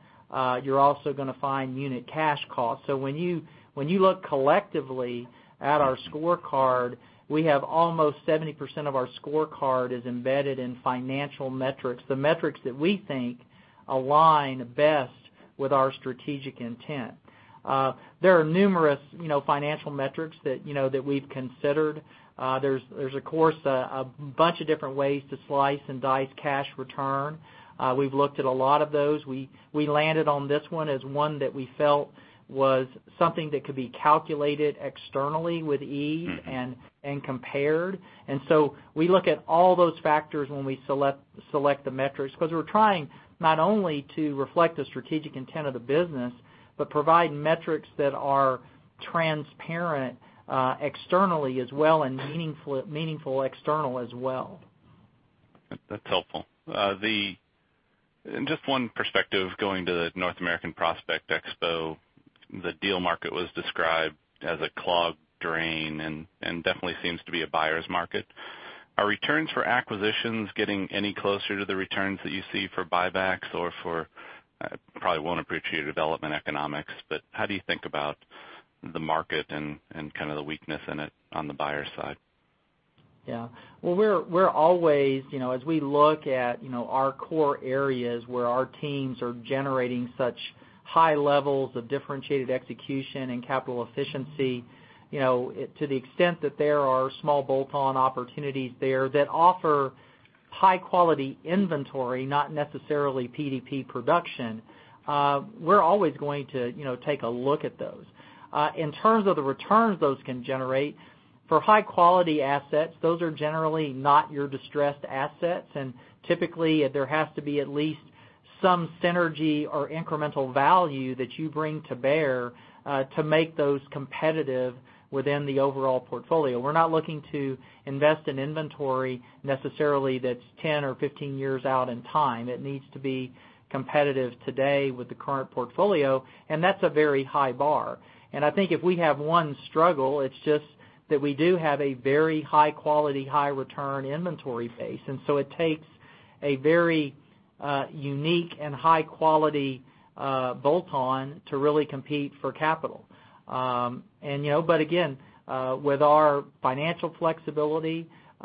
You're also going to find unit cash cost. When you look collectively at our scorecard, we have almost 70% of our scorecard is embedded in financial metrics, the metrics that we think align best with our strategic intent. There are numerous financial metrics that we've considered. There's, of course, a bunch of different ways to slice and dice cash return. We've looked at a lot of those. We landed on this one as one that we felt was something that could be calculated externally with ease and compared. We look at all those factors when we select the metrics, because we're trying not only to reflect the strategic intent of the business, but provide metrics that are transparent externally as well, and meaningful external as well. That's helpful. Just one perspective, going to the North American Prospect Expo, the deal market was described as a clogged drain, definitely seems to be a buyer's market. Are returns for acquisitions getting any closer to the returns that you see for buybacks or probably won't appreciate development economics, but how do you think about the market and the weakness in it on the buyer side? Yeah. Well, as we look at our core areas where our teams are generating such high levels of differentiated execution and capital efficiency, to the extent that there are small bolt-on opportunities there that offer high quality inventory, not necessarily PDP production, we're always going to take a look at those. In terms of the returns those can generate, for high quality assets, those are generally not your distressed assets, and typically, there has to be at least some synergy or incremental value that you bring to bear, to make those competitive within the overall portfolio. We're not looking to invest in inventory necessarily that's 10 or 15 years out in time. It needs to be competitive today with the current portfolio, and that's a very high bar. I think if we have one struggle, it's just that we do have a very high quality, high return inventory base. It takes a very unique and high quality bolt-on to really compete for capital. Again, with our financial flexibility, with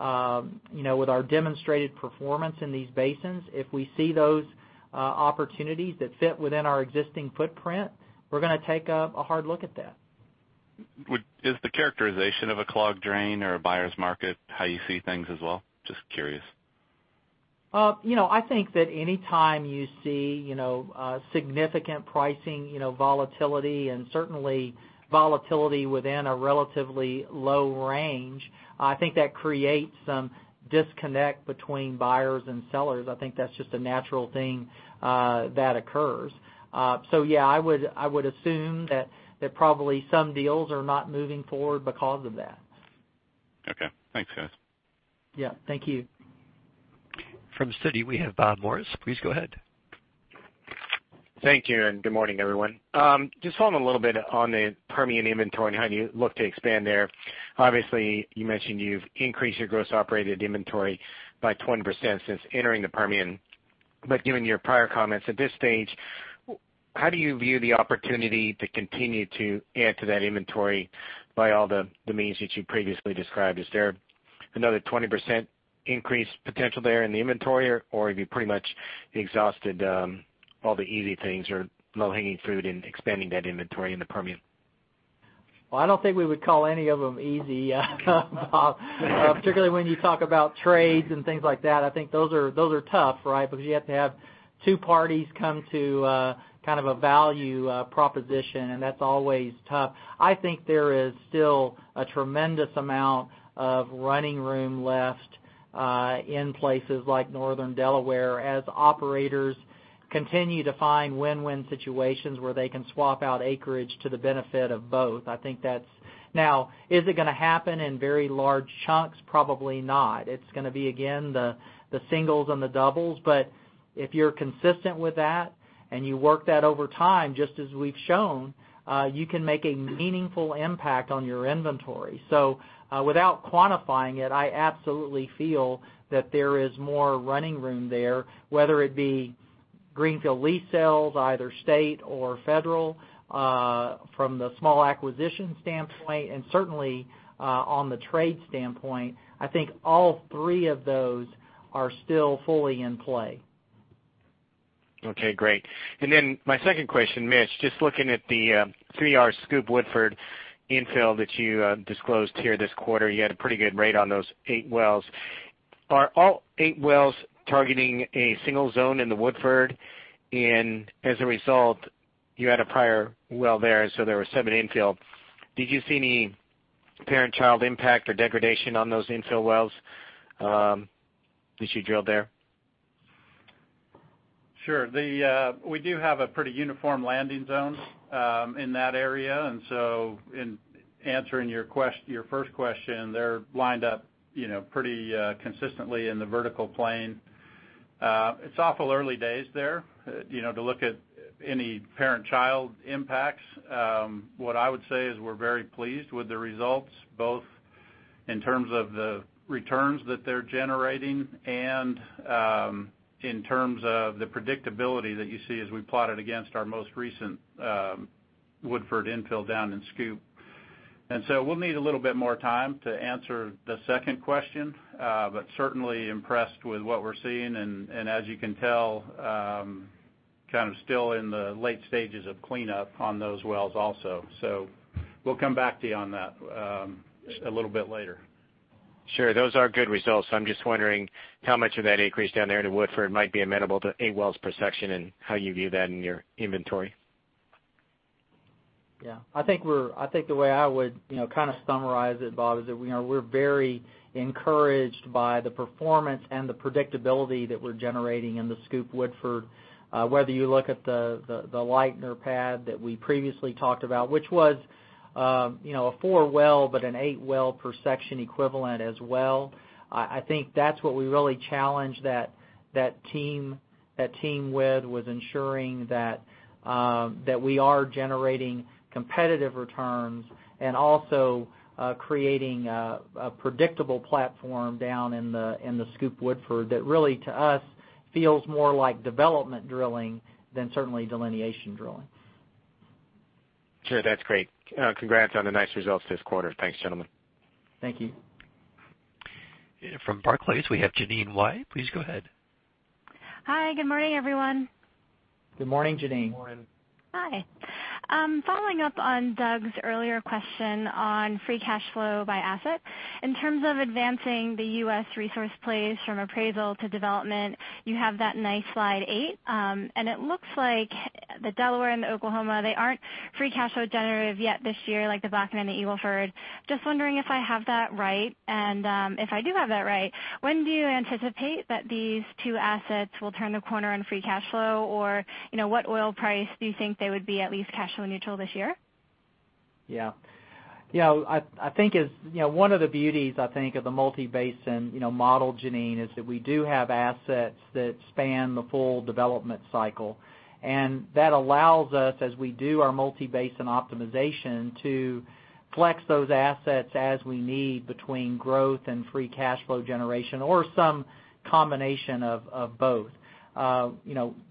our demonstrated performance in these basins, if we see those opportunities that fit within our existing footprint, we're going to take a hard look at that. Is the characterization of a clogged drain or a buyer's market how you see things as well? Just curious. I think that any time you see significant pricing volatility, and certainly volatility within a relatively low range, I think that creates some disconnect between buyers and sellers. I think that's just a natural thing that occurs. Yeah, I would assume that probably some deals are not moving forward because of that. Okay. Thanks, guys. Yeah. Thank you. From Citi, we have Bob Morris. Please go ahead. Thank you. Good morning, everyone. Just following a little bit on the Permian inventory and how you look to expand there. Obviously, you mentioned you've increased your gross operated inventory by 20% since entering the Permian. Given your prior comments, at this stage, how do you view the opportunity to continue to add to that inventory by all the means that you previously described? Is there another 20% increase potential there in the inventory, or have you pretty much exhausted all the easy things or low-hanging fruit in expanding that inventory in the Permian? I don't think we would call any of them easy, Bob. Particularly when you talk about trades and things like that, I think those are tough, right? Because you have to have two parties come to a value proposition, and that's always tough. I think there is still a tremendous amount of running room left in places like Northern Delaware, as operators continue to find win-win situations where they can swap out acreage to the benefit of both. Is it going to happen in very large chunks? Probably not. It's going to be, again, the singles and the doubles. If you're consistent with that and you work that over time, just as we've shown, you can make a meaningful impact on your inventory. Without quantifying it, I absolutely feel that there is more running room there, whether it be greenfield lease sales, either state or federal, from the small acquisition standpoint, and certainly, on the trade standpoint. I think all three of those are still fully in play. Okay, great. Then my second question, Mitch, just looking at the 3R SCOOP Woodford infill that you disclosed here this quarter. You had a pretty good rate on those eight wells. Are all eight wells targeting a single zone in the Woodford? As a result, you had a prior well there, so there were seven infill. Did you see any parent-child impact or degradation on those infill wells that you drilled there? Sure. We do have a pretty uniform landing zone in that area. In answering your first question, they're lined up pretty consistently in the vertical plane. It's awful early days there to look at any parent-child impacts. What I would say is we're very pleased with the results, both in terms of the returns that they're generating and in terms of the predictability that you see as we plot it against our most recent Woodford infill down in SCOOP. We'll need a little bit more time to answer the second question. Certainly impressed with what we're seeing, and as you can tell, kind of still in the late stages of cleanup on those wells also. We'll come back to you on that a little bit later. Sure. Those are good results. I'm just wondering how much of that acreage down there into Woodford might be amenable to eight wells per section, and how you view that in your inventory? Yeah. I think the way I would kind of summarize it, Bob, is that we're very encouraged by the performance and the predictability that we're generating in the SCOOP Woodford. Whether you look at the Lightner pad that we previously talked about, which was a four well, but an eight well per section equivalent as well. I think that's what we really challenged that team with, was ensuring that we are generating competitive returns, and also creating a predictable platform down in the SCOOP Woodford that really to us feels more like development drilling than certainly delineation drilling. Sure. That's great. Congrats on the nice results this quarter. Thanks, gentlemen. Thank you. From Barclays, we have Jeanine Wai. Please go ahead. Hi, good morning, everyone. Good morning, Jeanine. Good morning. Hi. Following up on Doug's earlier question on free cash flow by asset. In terms of advancing the U.S. resource plays from appraisal to development, you have that nice slide eight. It looks like the Delaware and the Oklahoma, they aren't free cash flow generative yet this year, like the Bakken and the Eagle Ford. Just wondering if I have that right, and if I do have that right, when do you anticipate that these two assets will turn the corner on free cash flow? What oil price do you think they would be at least cash flow neutral this year? Yeah. One of the beauties, I think, of the multi-basin model, Jeanine, is that we do have assets that span the full development cycle. That allows us, as we do our multi-basin optimization, to flex those assets as we need between growth and free cash flow generation or some combination of both.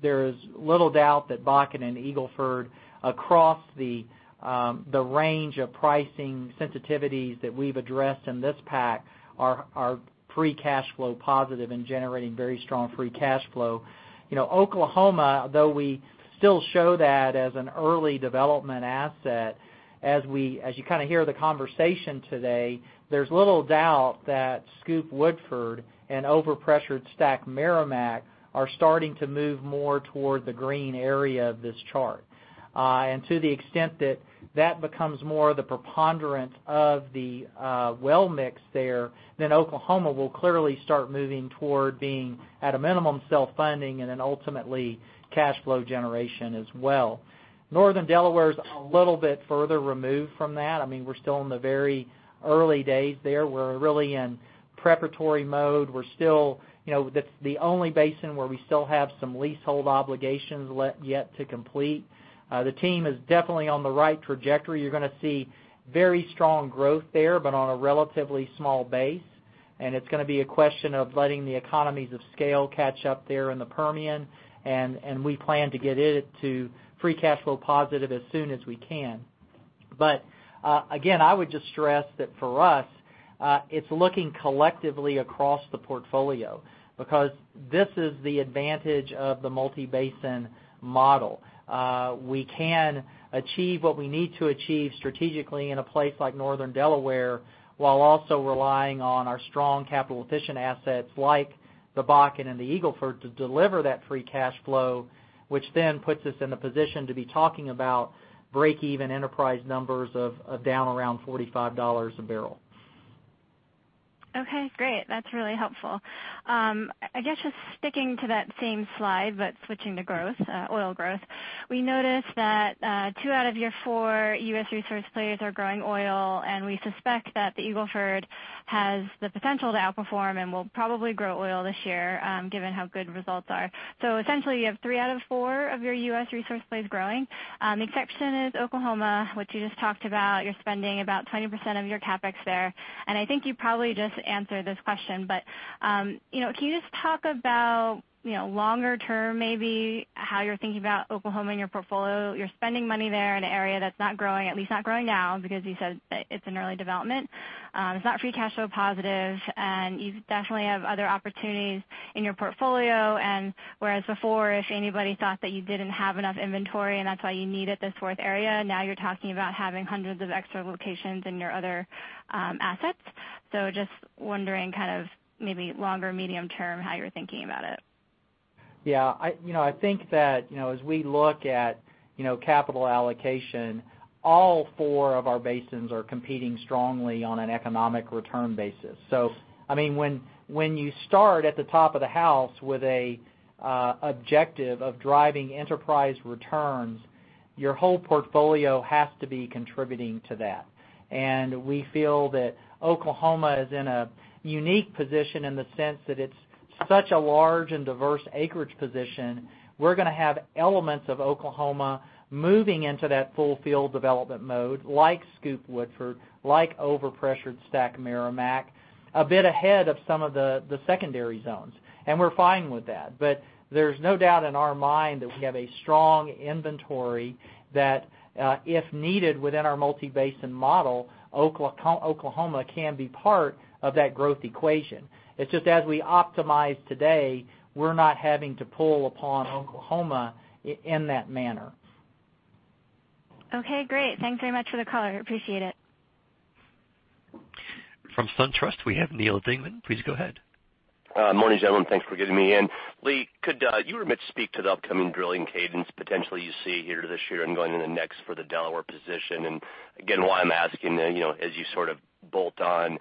There's little doubt that Bakken and Eagle Ford, across the range of pricing sensitivities that we've addressed in this pack, are free cash flow positive and generating very strong free cash flow. Oklahoma, though we still show that as an early development asset, as you kind of hear the conversation today, there's little doubt that SCOOP Woodford and overpressured STACK Meramec are starting to move more toward the green area of this chart. To the extent that that becomes more the preponderance of the well mix there, then Oklahoma will clearly start moving toward being at a minimum self-funding and then ultimately cash flow generation as well. Northern Delaware's a little bit further removed from that. We're still in the very early days there. We're really in preparatory mode. That's the only basin where we still have some leasehold obligations left yet to complete. The team is definitely on the right trajectory. You're going to see very strong growth there, but on a relatively small base. It's going to be a question of letting the economies of scale catch up there in the Permian, and we plan to get it to free cash flow positive as soon as we can. Again, I would just stress that for us, it's looking collectively across the portfolio because this is the advantage of the multi-basin model. We can achieve what we need to achieve strategically in a place like Northern Delaware, while also relying on our strong capital efficient assets like the Bakken and the Eagle Ford to deliver that free cash flow, which then puts us in a position to be talking about break even enterprise numbers of down around $45 a barrel. Okay, great. That's really helpful. Sticking to that same slide, but switching to oil growth. We noticed that two out of your four U.S. resource plays are growing oil, and we suspect that the Eagle Ford has the potential to outperform and will probably grow oil this year, given how good results are. Essentially, you have three out of four of your U.S. resource plays growing. The exception is Oklahoma, which you just talked about. You're spending about 20% of your CapEx there. I think you probably just answered this question, but can you just talk about longer term, maybe how you're thinking about Oklahoma in your portfolio? You're spending money there in an area that's not growing, at least not growing now, because you said that it's in early development. It's not free cash flow positive, and you definitely have other opportunities in your portfolio. Whereas before, if anybody thought that you didn't have enough inventory, and that's why you needed this fourth area, now you're talking about having hundreds of extra locations in your other assets. Just wondering kind of maybe longer medium term, how you're thinking about it? I think that as we look at capital allocation, all four of our basins are competing strongly on an economic return basis. When you start at the top of the house with an objective of driving enterprise returns, your whole portfolio has to be contributing to that. We feel that Oklahoma is in a unique position in the sense that it's such a large and diverse acreage position. We're going to have elements of Oklahoma moving into that full field development mode, like SCOOP Woodford, like overpressured STACK Meramec, a bit ahead of some of the secondary zones. We're fine with that. There's no doubt in our mind that we have a strong inventory that, if needed within our multi-basin model, Oklahoma can be part of that growth equation. It's just as we optimize today, we're not having to pull upon Oklahoma in that manner. Okay, great. Thanks very much for the color. Appreciate it. From SunTrust, we have Neal Dingmann. Please go ahead. Morning, gentlemen. Thanks for getting me in. Lee, could you or Mitch speak to the upcoming drilling cadence potentially you see here this year and going into next for the Delaware position? Again, why I'm asking, as you sort of bolt on,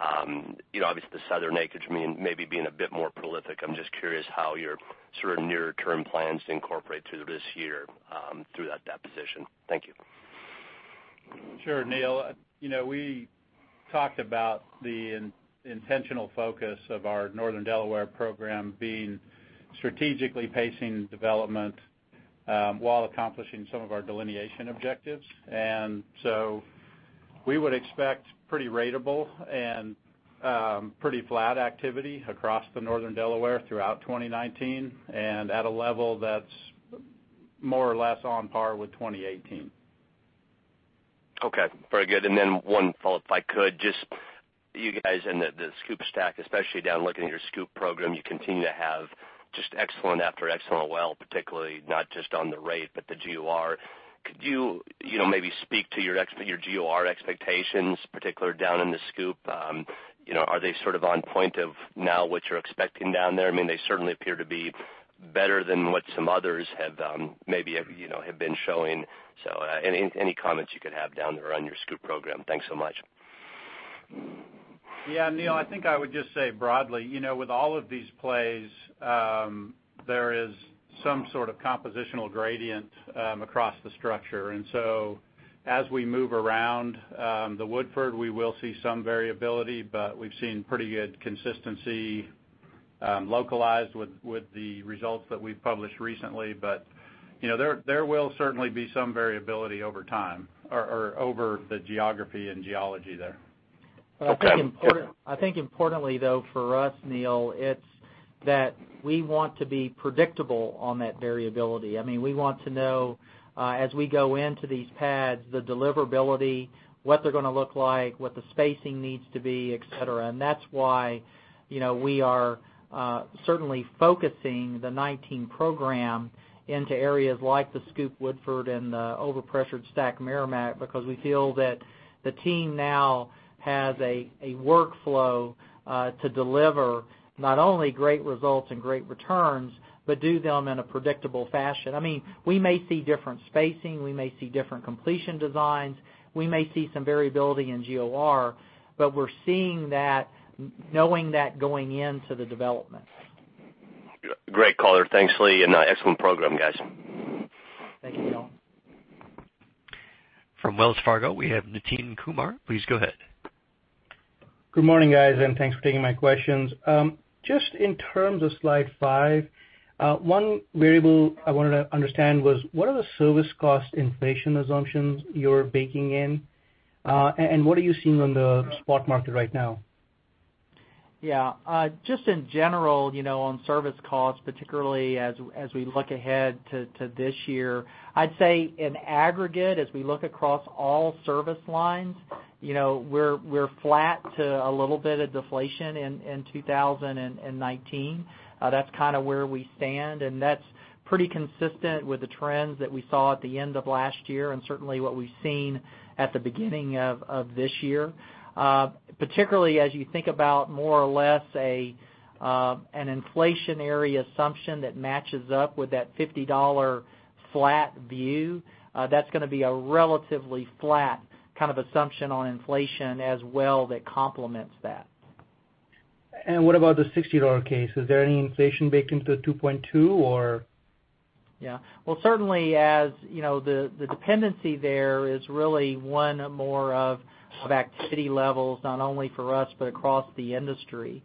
obviously the southern acreage maybe being a bit more prolific. I'm just curious how your sort of near term plans incorporate through this year, through that position. Thank you. Sure, Neal. We talked about the intentional focus of our Northern Delaware program being strategically pacing development, while accomplishing some of our delineation objectives. So we would expect pretty ratable and pretty flat activity across the Northern Delaware throughout 2019, and at a level that's more or less on par with 2018. Okay. Very good. One follow-up, if I could. Just you guys and the SCOOP STACK, especially down looking at your SCOOP program, you continue to have just excellent after excellent well, particularly not just on the rate, but the GOR. Could you maybe speak to your GOR expectations, particular down in the SCOOP? Are they sort of on point of now what you're expecting down there? They certainly appear to be better than what some others have maybe have been showing. Any comments you could have down there on your SCOOP program. Thanks so much. Neal, I think I would just say broadly, with all of these plays, there is some sort of compositional gradient across the structure. As we move around the Woodford, we will see some variability, but we've seen pretty good consistency localized with the results that we've published recently. There will certainly be some variability over time or over the geography and geology there. I think importantly though for us, Neal, it's that we want to be predictable on that variability. We want to know, as we go into these pads, the deliverability, what they're going to look like, what the spacing needs to be, et cetera. That's why we are certainly focusing the 2019 program into areas like the SCOOP Woodford and the overpressured STACK Meramec, because we feel that the team now has a workflow to deliver not only great results and great returns, but do them in a predictable fashion. We may see different spacing, we may see different completion designs. We may see some variability in GOR, but we're seeing that, knowing that going into the development. Great color. Thanks, Lee, excellent program, guys. Thank you, Neal. From Wells Fargo, we have Nitin Kumar. Please go ahead. Good morning, guys, and thanks for taking my questions. Just in terms of slide five, one variable I wanted to understand was, what are the service cost inflation assumptions you're baking in? What are you seeing on the spot market right now? Yeah. Just in general, on service costs, particularly as we look ahead to this year, I'd say in aggregate, as we look across all service lines, we're flat to a little bit of deflation in 2019. That's where we stand, and that's pretty consistent with the trends that we saw at the end of last year, and certainly what we've seen at the beginning of this year. Particularly as you think about more or less an inflationary assumption that matches up with that $50 flat view, that's going to be a relatively flat kind of assumption on inflation as well that complements that. What about the $60 case? Is there any inflation baked into the $2.2 billion or? Well, certainly as the dependency there is really one more of activity levels, not only for us but across the industry.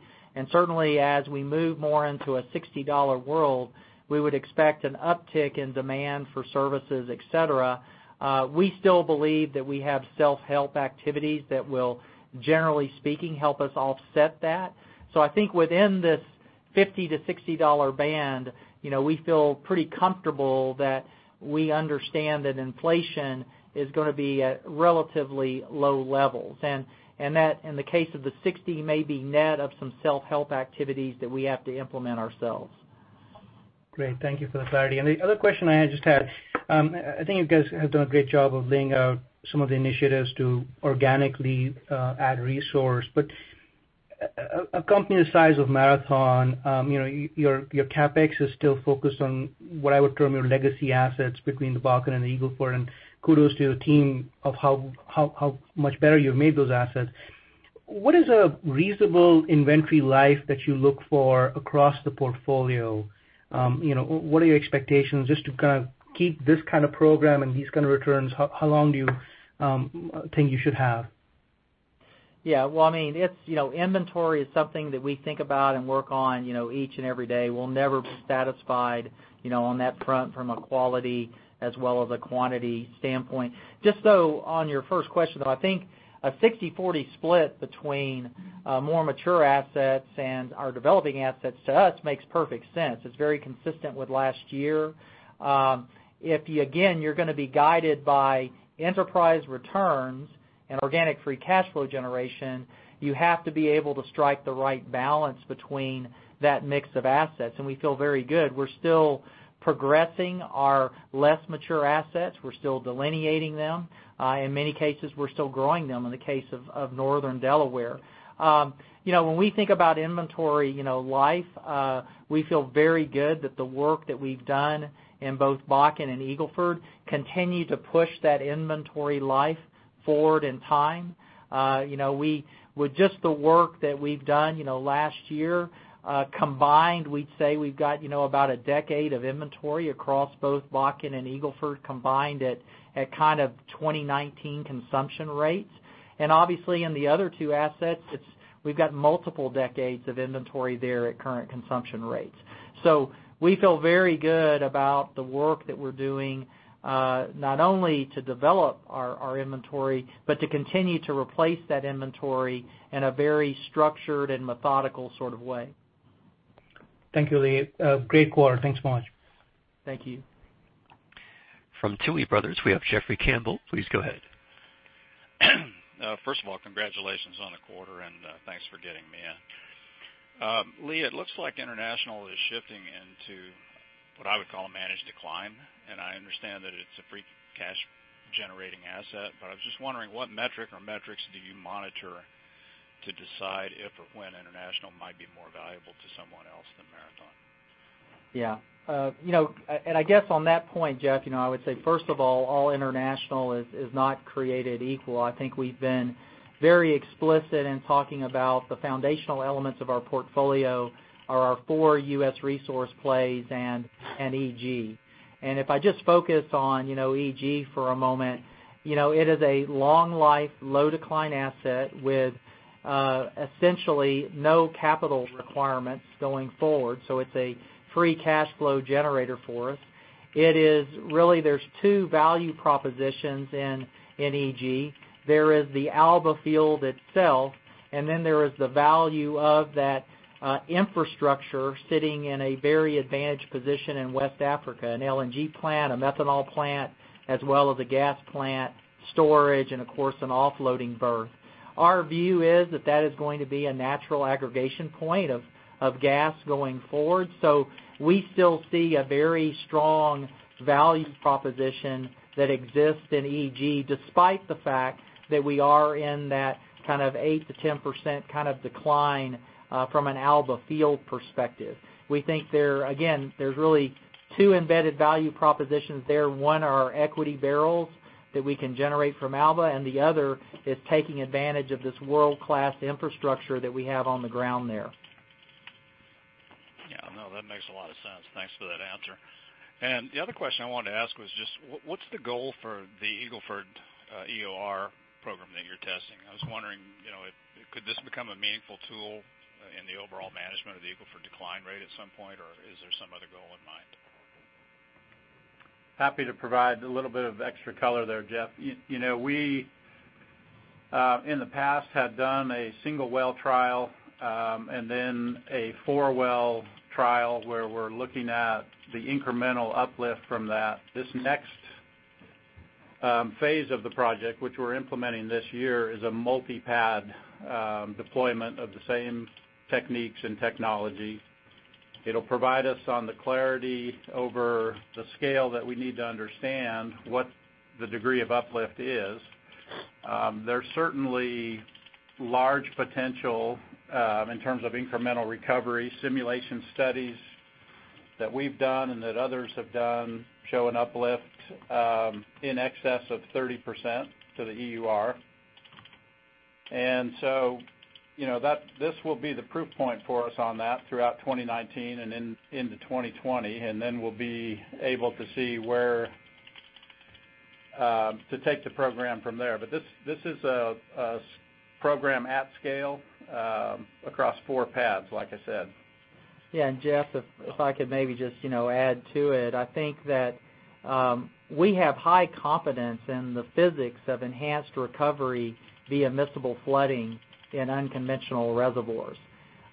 Certainly as we move more into a $60 world, we would expect an uptick in demand for services, et cetera. We still believe that we have self-help activities that will, generally speaking, help us offset that. I think within this $50-$60 band, we feel pretty comfortable that we understand that inflation is going to be at relatively low levels. That in the case of the $60 maybe net of some self-help activities that we have to implement ourselves. Great. Thank you for the clarity. The other question I just had, I think you guys have done a great job of laying out some of the initiatives to organically add resource, but a company the size of Marathon, your CapEx is still focused on what I would term your legacy assets between the Bakken and the Eagle Ford. Kudos to your team of how much better you've made those assets. What is a reasonable inventory life that you look for across the portfolio? What are your expectations just to kind of keep this kind of program and these kind of returns? How long do you think you should have? Well, inventory is something that we think about and work on each and every day. We'll never be satisfied on that front from a quality as well as a quantity standpoint. Just so on your first question, though, I think a 60/40 split between more mature assets and our developing assets, to us, makes perfect sense. It's very consistent with last year. If you, again, you're going to be guided by enterprise returns and organic free cash flow generation, you have to be able to strike the right balance between that mix of assets. We feel very good. We're still progressing our less mature assets. We're still delineating them. In many cases, we're still growing them, in the case of Northern Delaware. When we think about inventory life, we feel very good that the work that we've done in both Bakken and Eagle Ford continue to push that inventory life forward in time. With just the work that we've done last year, combined, we'd say we've got about a decade of inventory across both Bakken and Eagle Ford combined at kind of 2019 consumption rates. Obviously in the other two assets, we've got multiple decades of inventory there at current consumption rates. We feel very good about the work that we're doing, not only to develop our inventory, but to continue to replace that inventory in a very structured and methodical sort of way. Thank you, Lee. Great quarter. Thanks so much. Thank you. From Tuohy Brothers, we have Jeffrey Campbell. Please go ahead. First of all, congratulations on the quarter, and thanks for getting me in. Lee, it looks like international is shifting into what I would call a managed decline, and I understand that it's a free cash generating asset, but I was just wondering what metric or metrics do you monitor to decide if or when international might be more valuable to someone else than Marathon? Yeah. I guess on that point, Jeff, I would say, first of all international is not created equal. I think we've been very explicit in talking about the foundational elements of our portfolio are our four U.S. resource plays and EG. If I just focus on EG for a moment, it is a long life, low decline asset with essentially no capital requirements going forward. It's a free cash flow generator for us. Really, there's two value propositions in EG. There is the Alba Field itself, and then there is the value of that infrastructure sitting in a very advantaged position in West Africa, an LNG plant, a methanol plant, as well as a gas plant storage, and of course, an offloading berth. Our view is that that is going to be a natural aggregation point of gas going forward. We still see a very strong value proposition that exists in EG, despite the fact that we are in that kind of 8%-10% kind of decline from an Alba Field perspective. We think there, again, there's really two embedded value propositions there. One are our equity barrels that we can generate from Alba, and the other is taking advantage of this world-class infrastructure that we have on the ground there. Yeah, no, that makes a lot of sense. Thanks for that answer. The other question I wanted to ask was just what's the goal for the Eagle Ford EOR program that you're testing? I was wondering, could this become a meaningful tool in the overall management of the Eagle Ford decline rate at some point, or is there some other goal in mind? Happy to provide a little bit of extra color there, Jeff. We in the past had done a single well trial, then a four-well trial where we're looking at the incremental uplift from that. This next phase of the project, which we're implementing this year, is a multi-pad deployment of the same techniques and technology. It'll provide us on the clarity over the scale that we need to understand what the degree of uplift is. There's certainly large potential in terms of incremental recovery simulation studies that we've done and that others have done show an uplift in excess of 30% to the EUR. This will be the proof point for us on that throughout 2019 and into 2020, then we'll be able to see where to take the program from there. This is a program at scale across four paths, like I said. Yeah. Jeff, if I could maybe just add to it. I think that we have high confidence in the physics of enhanced recovery via miscible flooding in unconventional reservoirs.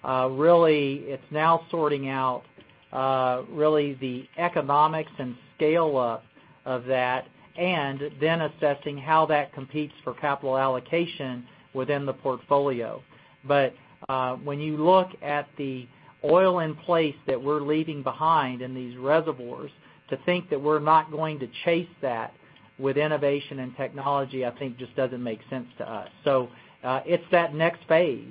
Really, it's now sorting out really the economics and scale up of that, then assessing how that competes for capital allocation within the portfolio. When you look at the oil in place that we're leaving behind in these reservoirs, to think that we're not going to chase that with innovation and technology, I think just doesn't make sense to us. It's that next phase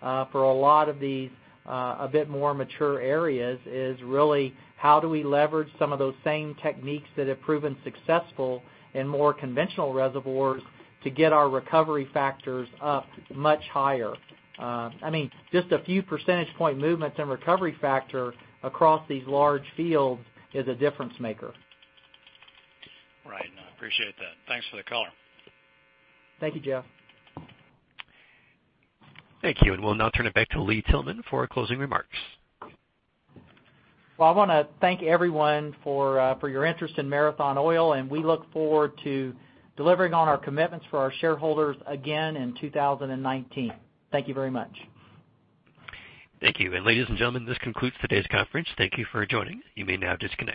for a lot of these a bit more mature areas is really how do we leverage some of those same techniques that have proven successful in more conventional reservoirs to get our recovery factors up much higher? Just a few percentage point movements in recovery factor across these large fields is a difference maker. Right. No, I appreciate that. Thanks for the color. Thank you, Jeff. Thank you. We'll now turn it back to Lee Tillman for closing remarks. Well, I want to thank everyone for your interest in Marathon Oil. We look forward to delivering on our commitments for our shareholders again in 2019. Thank you very much. Thank you. Ladies and gentlemen, this concludes today's conference. Thank you for joining. You may now disconnect.